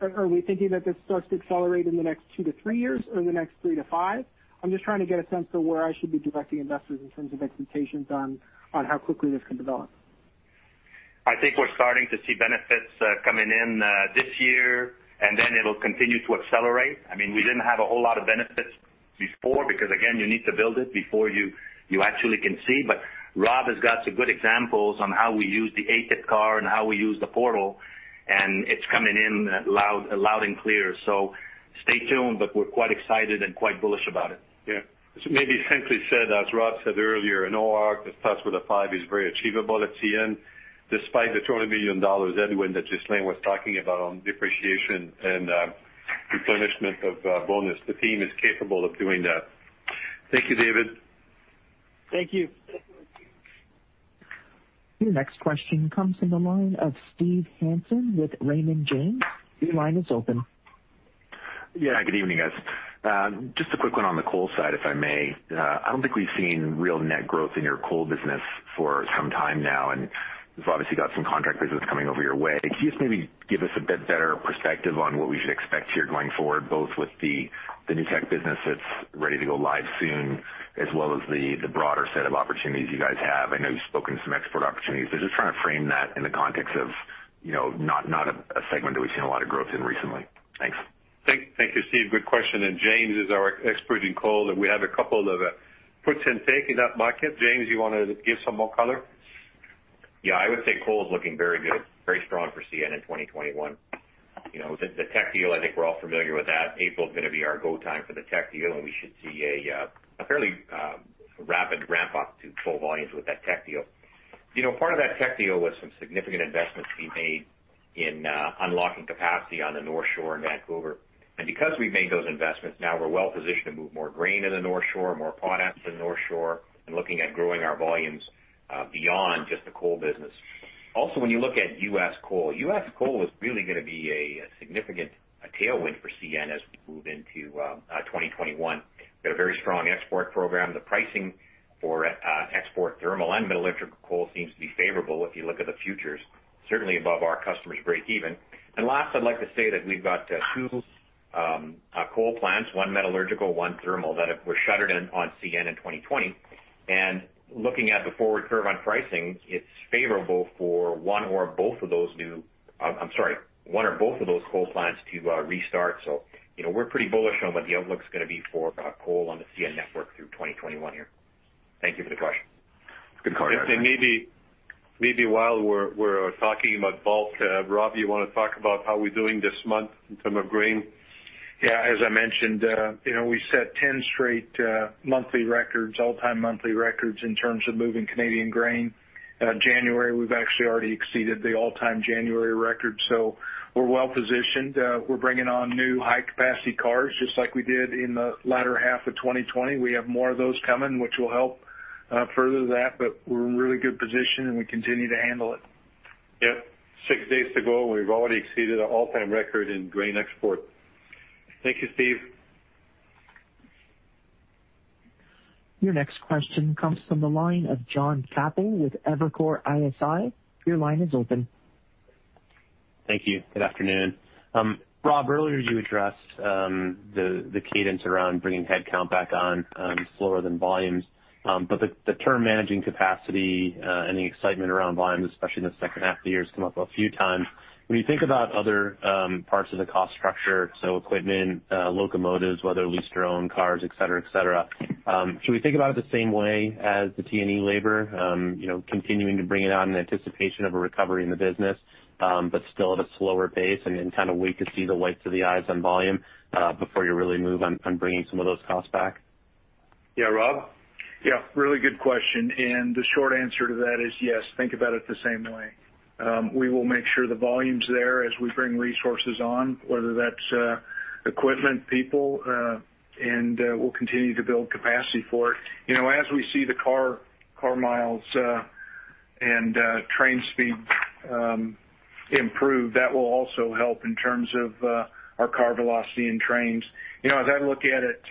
are we thinking that this starts to accelerate in the next two to three years or in the next three to five? I'm just trying to get a sense of where I should be directing investors in terms of expectations on how quickly this can develop. I think we're starting to see benefits coming in this year, and then it'll continue to accelerate. We didn't have a whole lot of benefits before because, again, you need to build it before you actually can see. Rob has got some good examples on how we use the ATIP car and how we use the portal, and it's coming in loud and clear. Stay tuned, but we're quite excited and quite bullish about it. Yeah. As maybe simply said, as Rob said earlier, an OR that starts with a five is very achievable at CN despite the 20 million dollars headwind that Ghislain was talking about on depreciation and replenishment of bonus. The team is capable of doing that. Thank you, David. Thank you. Your next question comes from the line of Steve Hansen with Raymond James. Your line is open. Yeah. Good evening, guys. Just a quick one on the coal side, if I may. I don't think we've seen real net growth in your coal business for some time now, and you've obviously got some contract business coming over your way. Can you just maybe give us a bit better perspective on what we should expect here going forward, both with the new Teck business that's ready to go live soon, as well as the broader set of opportunities you guys have? I know you've spoken to some export opportunities. Just trying to frame that in the context of not a segment that we've seen a lot of growth in recently. Thanks. Thank you, Steve. Good question. James is our expert in coal, and we have a couple of puts and takes in that market. James, you want to give some more color? Yeah, I would say coal is looking very good, very strong for CN in 2021. The Teck deal, I think we're all familiar with that. April is going to be our go time for the Teck deal. We should see a fairly rapid ramp-up to full volumes with that Teck deal. Part of that Teck deal was some significant investments to be made in unlocking capacity on the North Shore in Vancouver. Because we've made those investments, now we're well-positioned to move more grain in the North Shore, more products in the North Shore, and looking at growing our volumes beyond just the coal business. When you look at U.S. coal, U.S. coal is really going to be a significant tailwind for CN as we move into 2021. We have a very strong export program. The pricing for export thermal and metallurgical coal seems to be favorable if you look at the futures, certainly above our customers' break even. Last, I'd like to say that we've got two coal plants, one metallurgical, one thermal, that were shuttered on CN in 2020. Looking at the forward curve on pricing, it's favorable for one or both of those coal plants to restart. We're pretty bullish on what the outlook is going to be for coal on the CN network through 2021 here. Thank you for the question. Good color. Maybe while we're talking about bulk, Rob, you want to talk about how we're doing this month in terms of grain? As I mentioned, we set 10 straight monthly records, all-time monthly records in terms of moving Canadian grain. January, we've actually already exceeded the all-time January record, we're well-positioned. We're bringing on new high-capacity cars, just like we did in the latter half of 2020. We have more of those coming, which will help further that, we're in a really good position, we continue to handle it. Yep. Six days to go, and we've already exceeded an all-time record in grain export. Thank you, Steve. Your next question comes from the line of Jon Chappell with Evercore ISI. Your line is open. Thank you. Good afternoon. Rob, earlier you addressed the cadence around bringing headcount back on slower than volumes. The term managing capacity and the excitement around volumes, especially in the second half of the year, has come up a few times. When you think about other parts of the cost structure, equipment, locomotives, whether leased or owned cars, et cetera. Should we think about it the same way as the CN labor? Continuing to bring it on in anticipation of a recovery in the business, but still at a slower pace, and then kind of wait to see the whites of the eyes on volume, before you really move on bringing some of those costs back? Yeah. Rob? Yeah. Really good question. The short answer to that is yes, think about it the same way. We will make sure the volume is there as we bring resources on, whether that's equipment, people, and we'll continue to build capacity for it. As we see the car miles and train speed improve, that will also help in terms of our car velocity and trains. As I look at it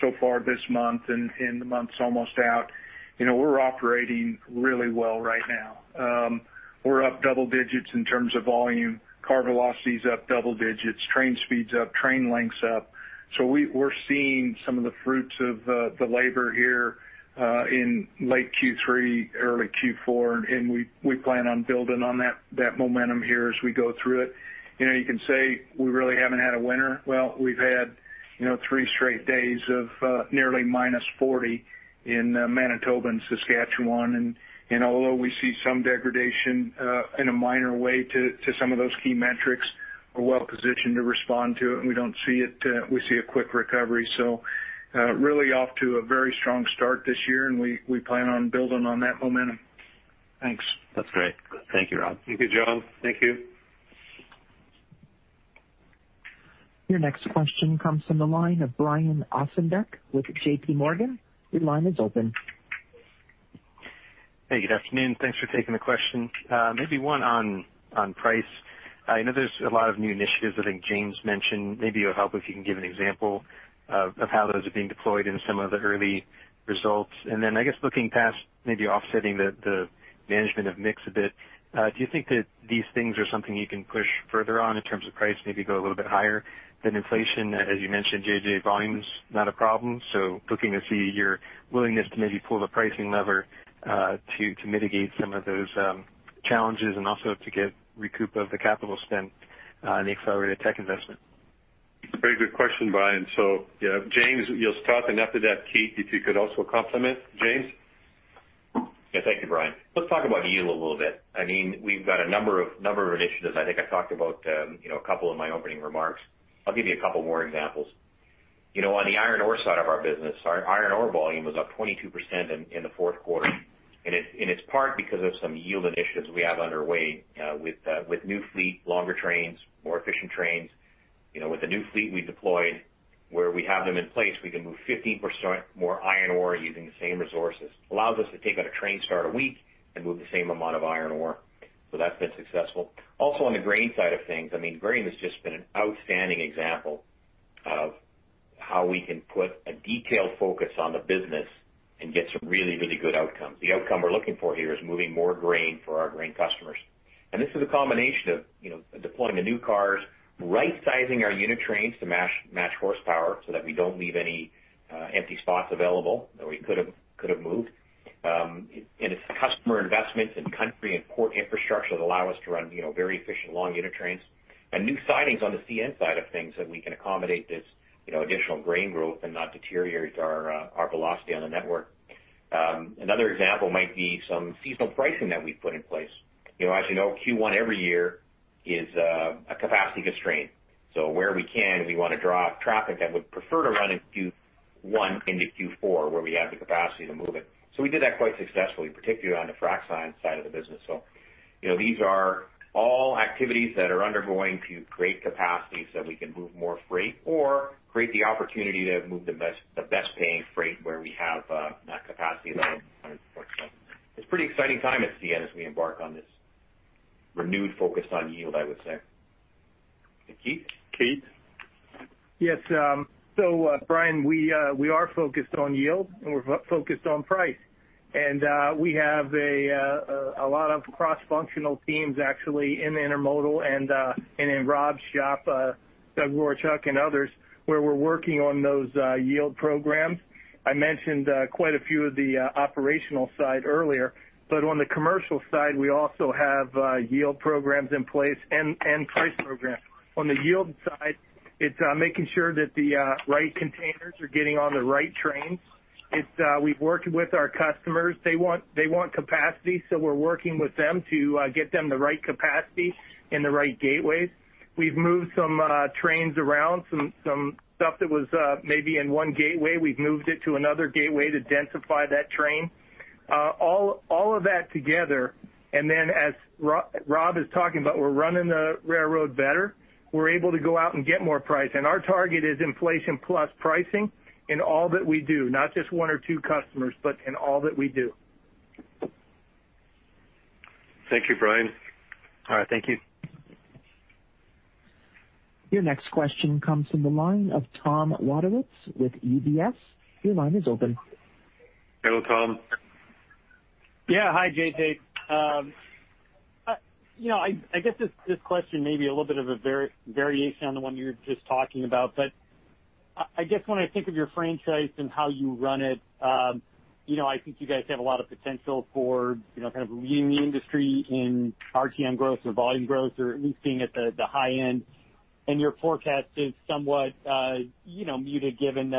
so far this month, and the month is almost out, we're operating really well right now. We're up double digits in terms of volume. Car velocity is up double digits, train speed's up, train length's up. We're seeing some of the fruits of the labor here in late Q3, early Q4, and we plan on building on that momentum here as we go through it. You can say we really haven't had a winter. We've had three straight days of nearly -40 in Manitoba and Saskatchewan. Although we see some degradation in a minor way to some of those key metrics, we're well-positioned to respond to it, and we see a quick recovery. Really off to a very strong start this year, and we plan on building on that momentum. Thanks. That's great. Thank you, Rob. Thank you, Jon. Thank you. Your next question comes from the line of Brian Ossenbeck with JPMorgan. Your line is open. Hey, good afternoon. Thanks for taking the question. Maybe one on price. I know there's a lot of new initiatives I think James mentioned. Maybe it'll help if you can give an example of how those are being deployed and some of the early results. I guess looking past maybe offsetting the management of mix a bit, do you think that these things are something you can push further on in terms of price, maybe go a little bit higher than inflation? As you mentioned, JJ, volume is not a problem. Looking to see your willingness to maybe pull the pricing lever to mitigate some of those challenges and also to get recoup of the capital spent on the accelerated tech investment. Very good question, Brian. James, you'll start, and after that, Keith, if you could also comment. James? Yeah, thank you, Brian. Let's talk about yield a little bit. We've got a number of initiatives. I think I talked about a couple in my opening remarks. I'll give you a couple more examples. On the iron ore side of our business, our iron ore volume was up 22% in the fourth quarter, and it's part because of some yield initiatives we have underway with new fleet, longer trains, more efficient trains. With the new fleet we deployed, where we have them in place, we can move 15% more iron ore using the same resources. Allows us to take out a train start a week and move the same amount of iron ore. That's been successful. Also, on the grain side of things, grain has just been an outstanding example of how we can put a detailed focus on the business and get some really good outcomes. The outcome we're looking for here is moving more grain for our grain customers. This is a combination of deploying the new cars, right-sizing our unit trains to match horsepower so that we don't leave any empty spots available that we could've moved. It's customer investments in country and port infrastructure that allow us to run very efficient long unit trains. New sidings on the CN side of things that we can accommodate this additional grain growth and not deteriorate our velocity on the network. Another example might be some seasonal pricing that we've put in place. As you know, Q1 every year is a capacity constraint. Where we can, we want to draw traffic that would prefer to run in Q1 into Q4, where we have the capacity to move it. We did that quite successfully, particularly on the frac sand side of the business. These are all activities that are undergoing to create capacity so we can move more freight or create the opportunity to move the best paying freight where we have that capacity. It's a pretty exciting time at CN as we embark on this renewed focus on yield, I would say. Keith? Keith? Yes. Brian, we are focused on yield, and we're focused on price. We have a lot of cross-functional teams actually in Intermodal and in Rob's shop, Doug Ryhorchuk and others, where we're working on those yield programs. I mentioned quite a few of the operational side earlier, but on the commercial side, we also have yield programs in place and price programs. On the yield side, it's making sure that the right containers are getting on the right trains. We've worked with our customers. They want capacity, we're working with them to get them the right capacity and the right gateways. We've moved some trains around, some stuff that was maybe in one gateway, we've moved it to another gateway to densify that train. All of that together, as Rob is talking about, we're running the railroad better. We're able to go out and get more price, and our target is inflation plus pricing in all that we do. Not just one or two customers, but in all that we do. Thank you, Brian. All right. Thank you. Your next question comes from the line of Tom Wadewitz with UBS. Your line is open. Hello, Tom. Yeah. Hi, JJ. I guess this question may be a little bit of a variation on the one you were just talking about, but I guess when I think of your franchise and how you run it, I think you guys have a lot of potential for kind of leading the industry in RTM growth or volume growth, or at least being at the high end, and your forecast is somewhat muted given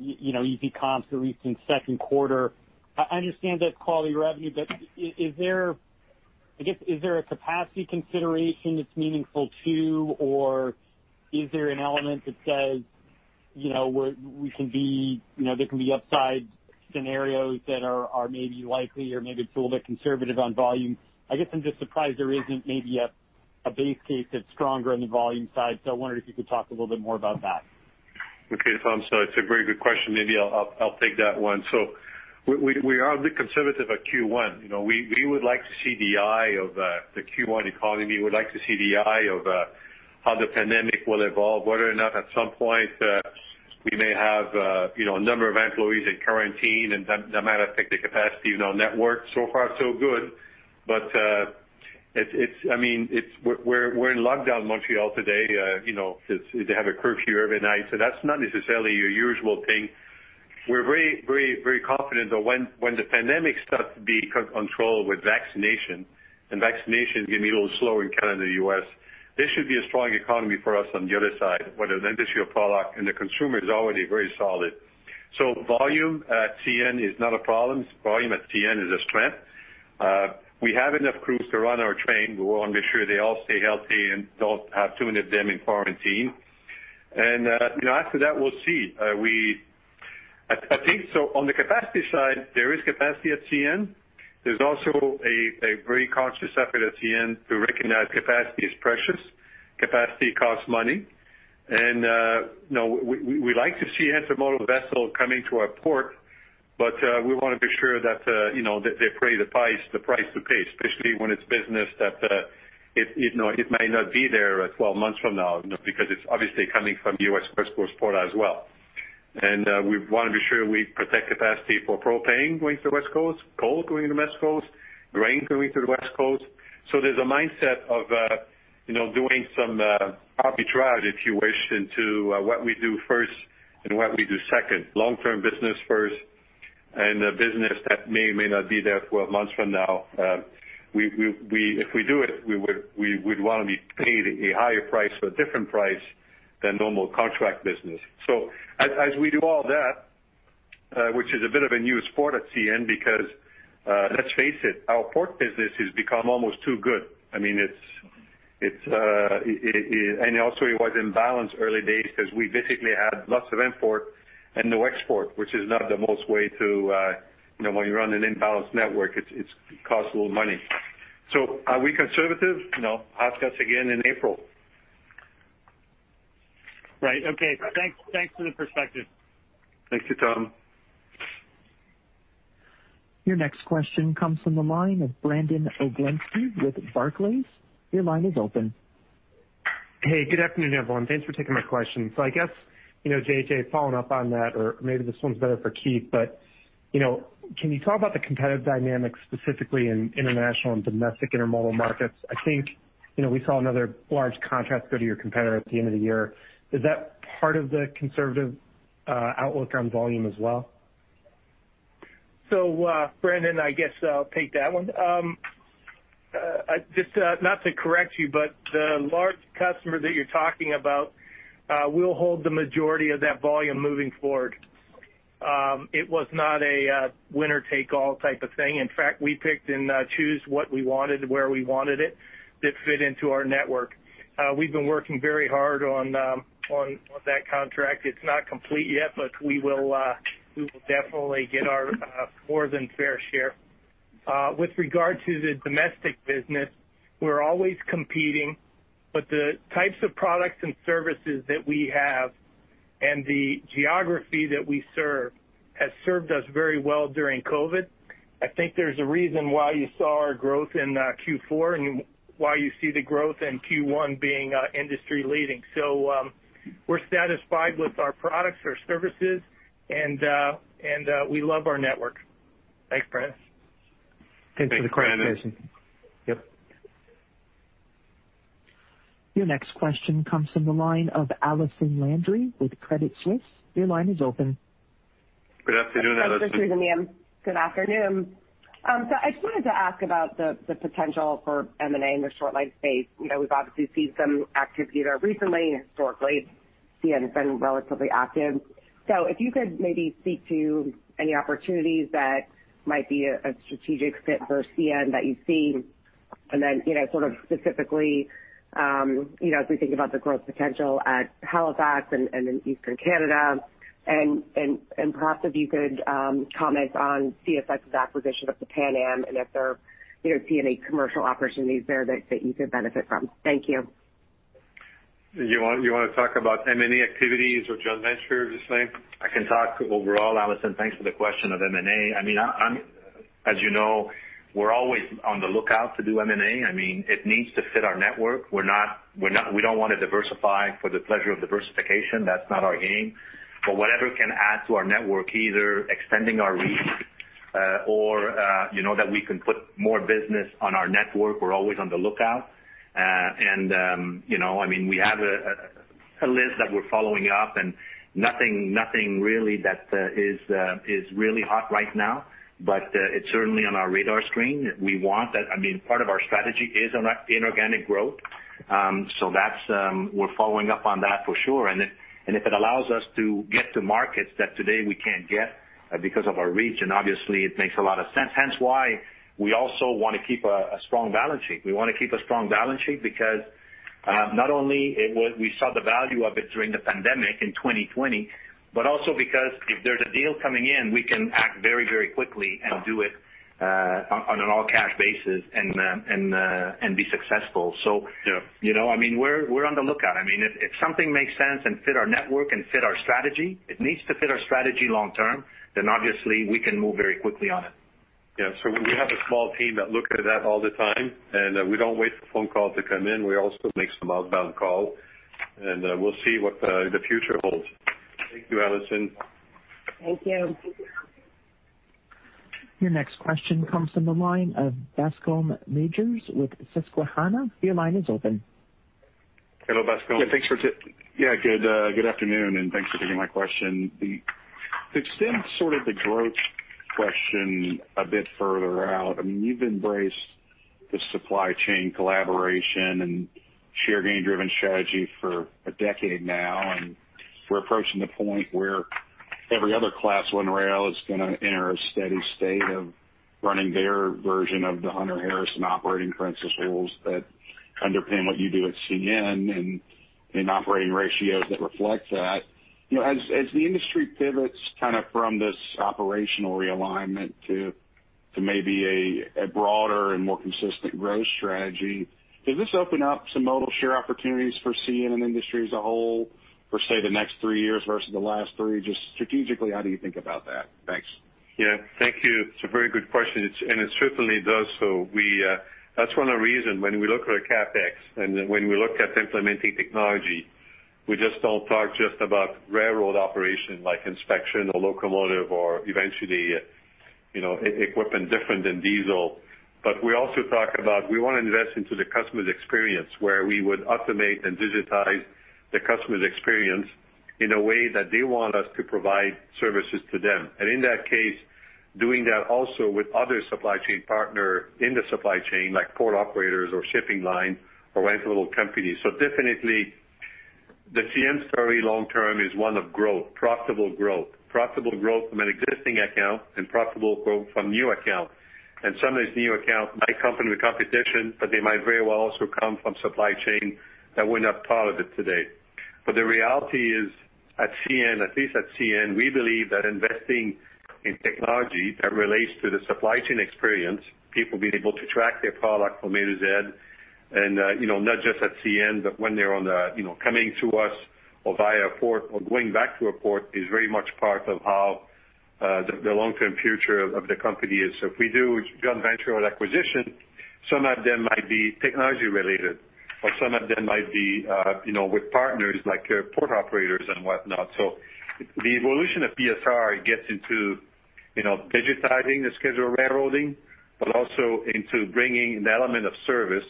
easy comps, at least in second quarter. I understand that quality revenue, but I guess, is there a capacity consideration that's meaningful too, or is there an element that says there can be upside scenarios that are maybe likely or maybe it's a little bit conservative on volume? I guess I'm just surprised there isn't maybe a base case that's stronger on the volume side. I wondered if you could talk a little bit more about that. Tom, it's a very good question. Maybe I'll take that one. We are a bit conservative at Q1. We would like to see the eye of the Q1 economy. We would like to see the eye of how the pandemic will evolve, whether or not at some point, we may have a number of employees in quarantine and that might affect the capacity of our network. So far so good. We're in lockdown in Montreal today. They have a curfew every night, that's not necessarily your usual thing. We're very confident that when the pandemic starts to be controlled with vaccination, and vaccination is going to be a little slow in Canada and the U.S., this should be a strong economy for us on the other side, whether it's industrial product, the consumer is already very solid. Volume at CN is not a problem. Volume at CN is a strength. We have enough crews to run our train. We want to make sure they all stay healthy and don't have 200 of them in quarantine. After that, we'll see. I think on the capacity side, there is capacity at CN. There's also a very conscious effort at CN to recognize capacity is precious. Capacity costs money. We like to see intermodal vessel coming to our port, but we want to be sure that they pay the price to pay, especially when it's business that it might not be there 12 months from now, because it's obviously coming from the U.S. West Coast port as well. We want to be sure we protect capacity for propane going to the West Coast, coal going to the West Coast, grain going to the West Coast. There's a mindset of doing some arbitrage, if you wish, into what we do first and what we do second. Long-term business first. A business that may or may not be there 12 months from now, if we do it, we would want to be paid a higher price or a different price than normal contract business. As we do all that, which is a bit of a new sport at CN, because let's face it, our port business has become almost too good. Also, it was imbalanced early days because we basically had lots of import and no export, which is not the best way. When you run an imbalanced network, it costs a little money. Are we conservative? No. Ask us again in April. Right. Okay. Thanks for the perspective. Thank you, Tom. Your next question comes from the line of Brandon Oglenski with Barclays. Your line is open. Hey, good afternoon, everyone. Thanks for taking my question. I guess, JJ, following up on that, or maybe this one's better for Keith, but can you talk about the competitive dynamics specifically in international and domestic intermodal markets? I think we saw another large contract go to your competitor at the end of the year. Is that part of the conservative outlook on volume as well? Brandon, I guess I'll take that one. Just not to correct you, but the large customer that you're talking about, we'll hold the majority of that volume moving forward. It was not a winner-take-all type of thing. In fact, we picked and choose what we wanted, where we wanted it, that fit into our network. We've been working very hard on that contract. It's not complete yet, but we will definitely get our more than fair share. With regard to the domestic business, we're always competing, but the types of products and services that we have and the geography that we serve has served us very well during COVID. I think there's a reason why you saw our growth in Q4 and why you see the growth in Q1 being industry leading. We're satisfied with our products, our services, and we love our network. Thanks, Brandon. Thanks, Brandon. Thanks for the clarification. Yep. Your next question comes from the line of Allison Landry with Credit Suisse. Your line is open. Good afternoon, Allison. This is Allison. Good afternoon. I just wanted to ask about the potential for M&A in the short line space. We've obviously seen some activity there recently. Historically, CN has been relatively active. If you could maybe speak to any opportunities that might be a strategic fit for CN that you see, and then sort of specifically, as we think about the growth potential at Halifax and in Eastern Canada, and perhaps if you could comment on CSX's acquisition of the Pan Am and if there are any commercial opportunities there that you could benefit from. Thank you. You want to talk about M&A activities or just venture the same? I can talk overall, Allison. Thanks for the question of M&A. As you know, we're always on the lookout to do M&A. It needs to fit our network. We don't want to diversify for the pleasure of diversification. That's not our game. Whatever can add to our network, either extending our reach or that we can put more business on our network, we're always on the lookout. We have a list that we're following up and nothing really that is really hot right now, but it's certainly on our radar screen. Part of our strategy is inorganic growth. We're following up on that for sure. If it allows us to get to markets that today we can't get because of our reach, and obviously it makes a lot of sense, hence why we also want to keep a strong balance sheet. We want to keep a strong balance sheet because not only we saw the value of it during the pandemic in 2020, but also because if there is a deal coming in, we can act very quickly and do it on an all-cash basis and be successful. Yeah. We're on the lookout. If something makes sense and fits our network and fits our strategy, it needs to fit our strategy long term, then obviously we can move very quickly on it. Yeah. We have a small team that looks at that all the time, and we don't wait for phone calls to come in. We also make some outbound calls, and we'll see what the future holds. Thank you, Allison. Thank you. Your next question comes from the line of Bascome Majors with Susquehanna. Your line is open. Hello, Bascome. Good afternoon, and thanks for taking my question. To extend sort of the growth question a bit further out, you've embraced the supply chain collaboration and share gain-driven strategy for a decade now, and we're approaching the point where every other Class 1 rail is going to enter a steady state of running their version of the Hunter Harrison operating principles that underpin what you do at CN and operating ratios that reflect that. As the industry pivots kind of from this operational realignment to maybe a broader and more consistent growth strategy, does this open up some modal share opportunities for CN and industry as a whole for, say, the next three years versus the last three? Just strategically, how do you think about that? Thanks. Yeah. Thank you. It's a very good question, and it certainly does. That's one of the reasons when we look at CapEx and when we look at implementing technology, we just don't talk just about railroad operation like inspection or locomotive or eventually equipment different than diesel. We also talk about we want to invest into the customer's experience, where we would automate and digitize the customer's experience in a way that they want us to provide services to them. In that case, doing that also with other supply chain partner in the supply chain, like port operators or shipping line or rental companies. Definitely the CN story long term is one of growth, profitable growth. Profitable growth from an existing account and profitable growth from new accounts. Some of these new accounts might come from the competition, but they might very well also come from supply chain that we're not part of it today. The reality is, at least at CN, we believe that investing in technology that relates to the supply chain experience, people being able to track their product from A to Z, and not just at CN, but when they're coming to us or via a port or going back to a port is very much part of how the long-term future of the company is. If we do joint venture or acquisition, some of them might be technology-related, or some of them might be with partners like port operators and whatnot. The evolution of PSR gets into digitizing the scheduled railroading, but also into bringing an element of service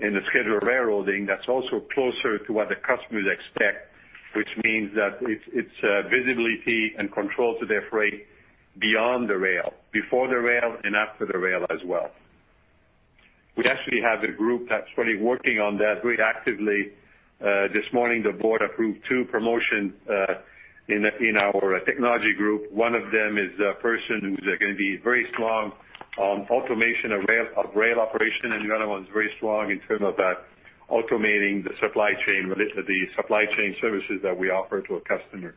in the scheduled railroading that's also closer to what the customers expect, which means that it's visibility and control to their freight beyond the rail, before the rail, and after the rail as well. We actually have a group that's really working on that very actively. This morning, the board approved two promotions in our technology group. One of them is a person who's going to be very strong on automation of rail operation, and the other one is very strong in terms of automating the supply chain services that we offer to a customer.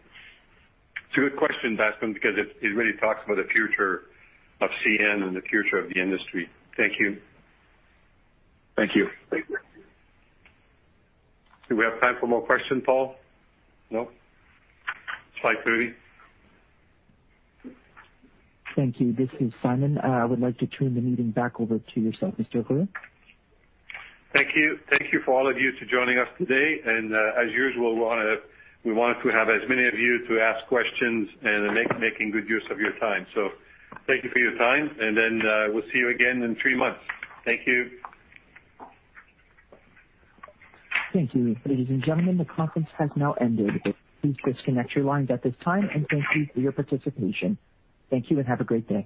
It's a good question, Bascome, because it really talks about the future of CN and the future of the industry. Thank you. Thank you. Do we have time for more questions, Paul? No. Slide 30. Thank you. This is Simon. I would like to turn the meeting back over to yourself, Mr. Ruest. Thank you. Thank you for all of you to joining us today. As usual, we want to have as many of you to ask questions and making good use of your time. Thank you for your time, and then we'll see you again in three months. Thank you. Thank you. Ladies and gentlemen, the conference has now ended. Please disconnect your lines at this time and thank you for your participation. Thank you and have a great day.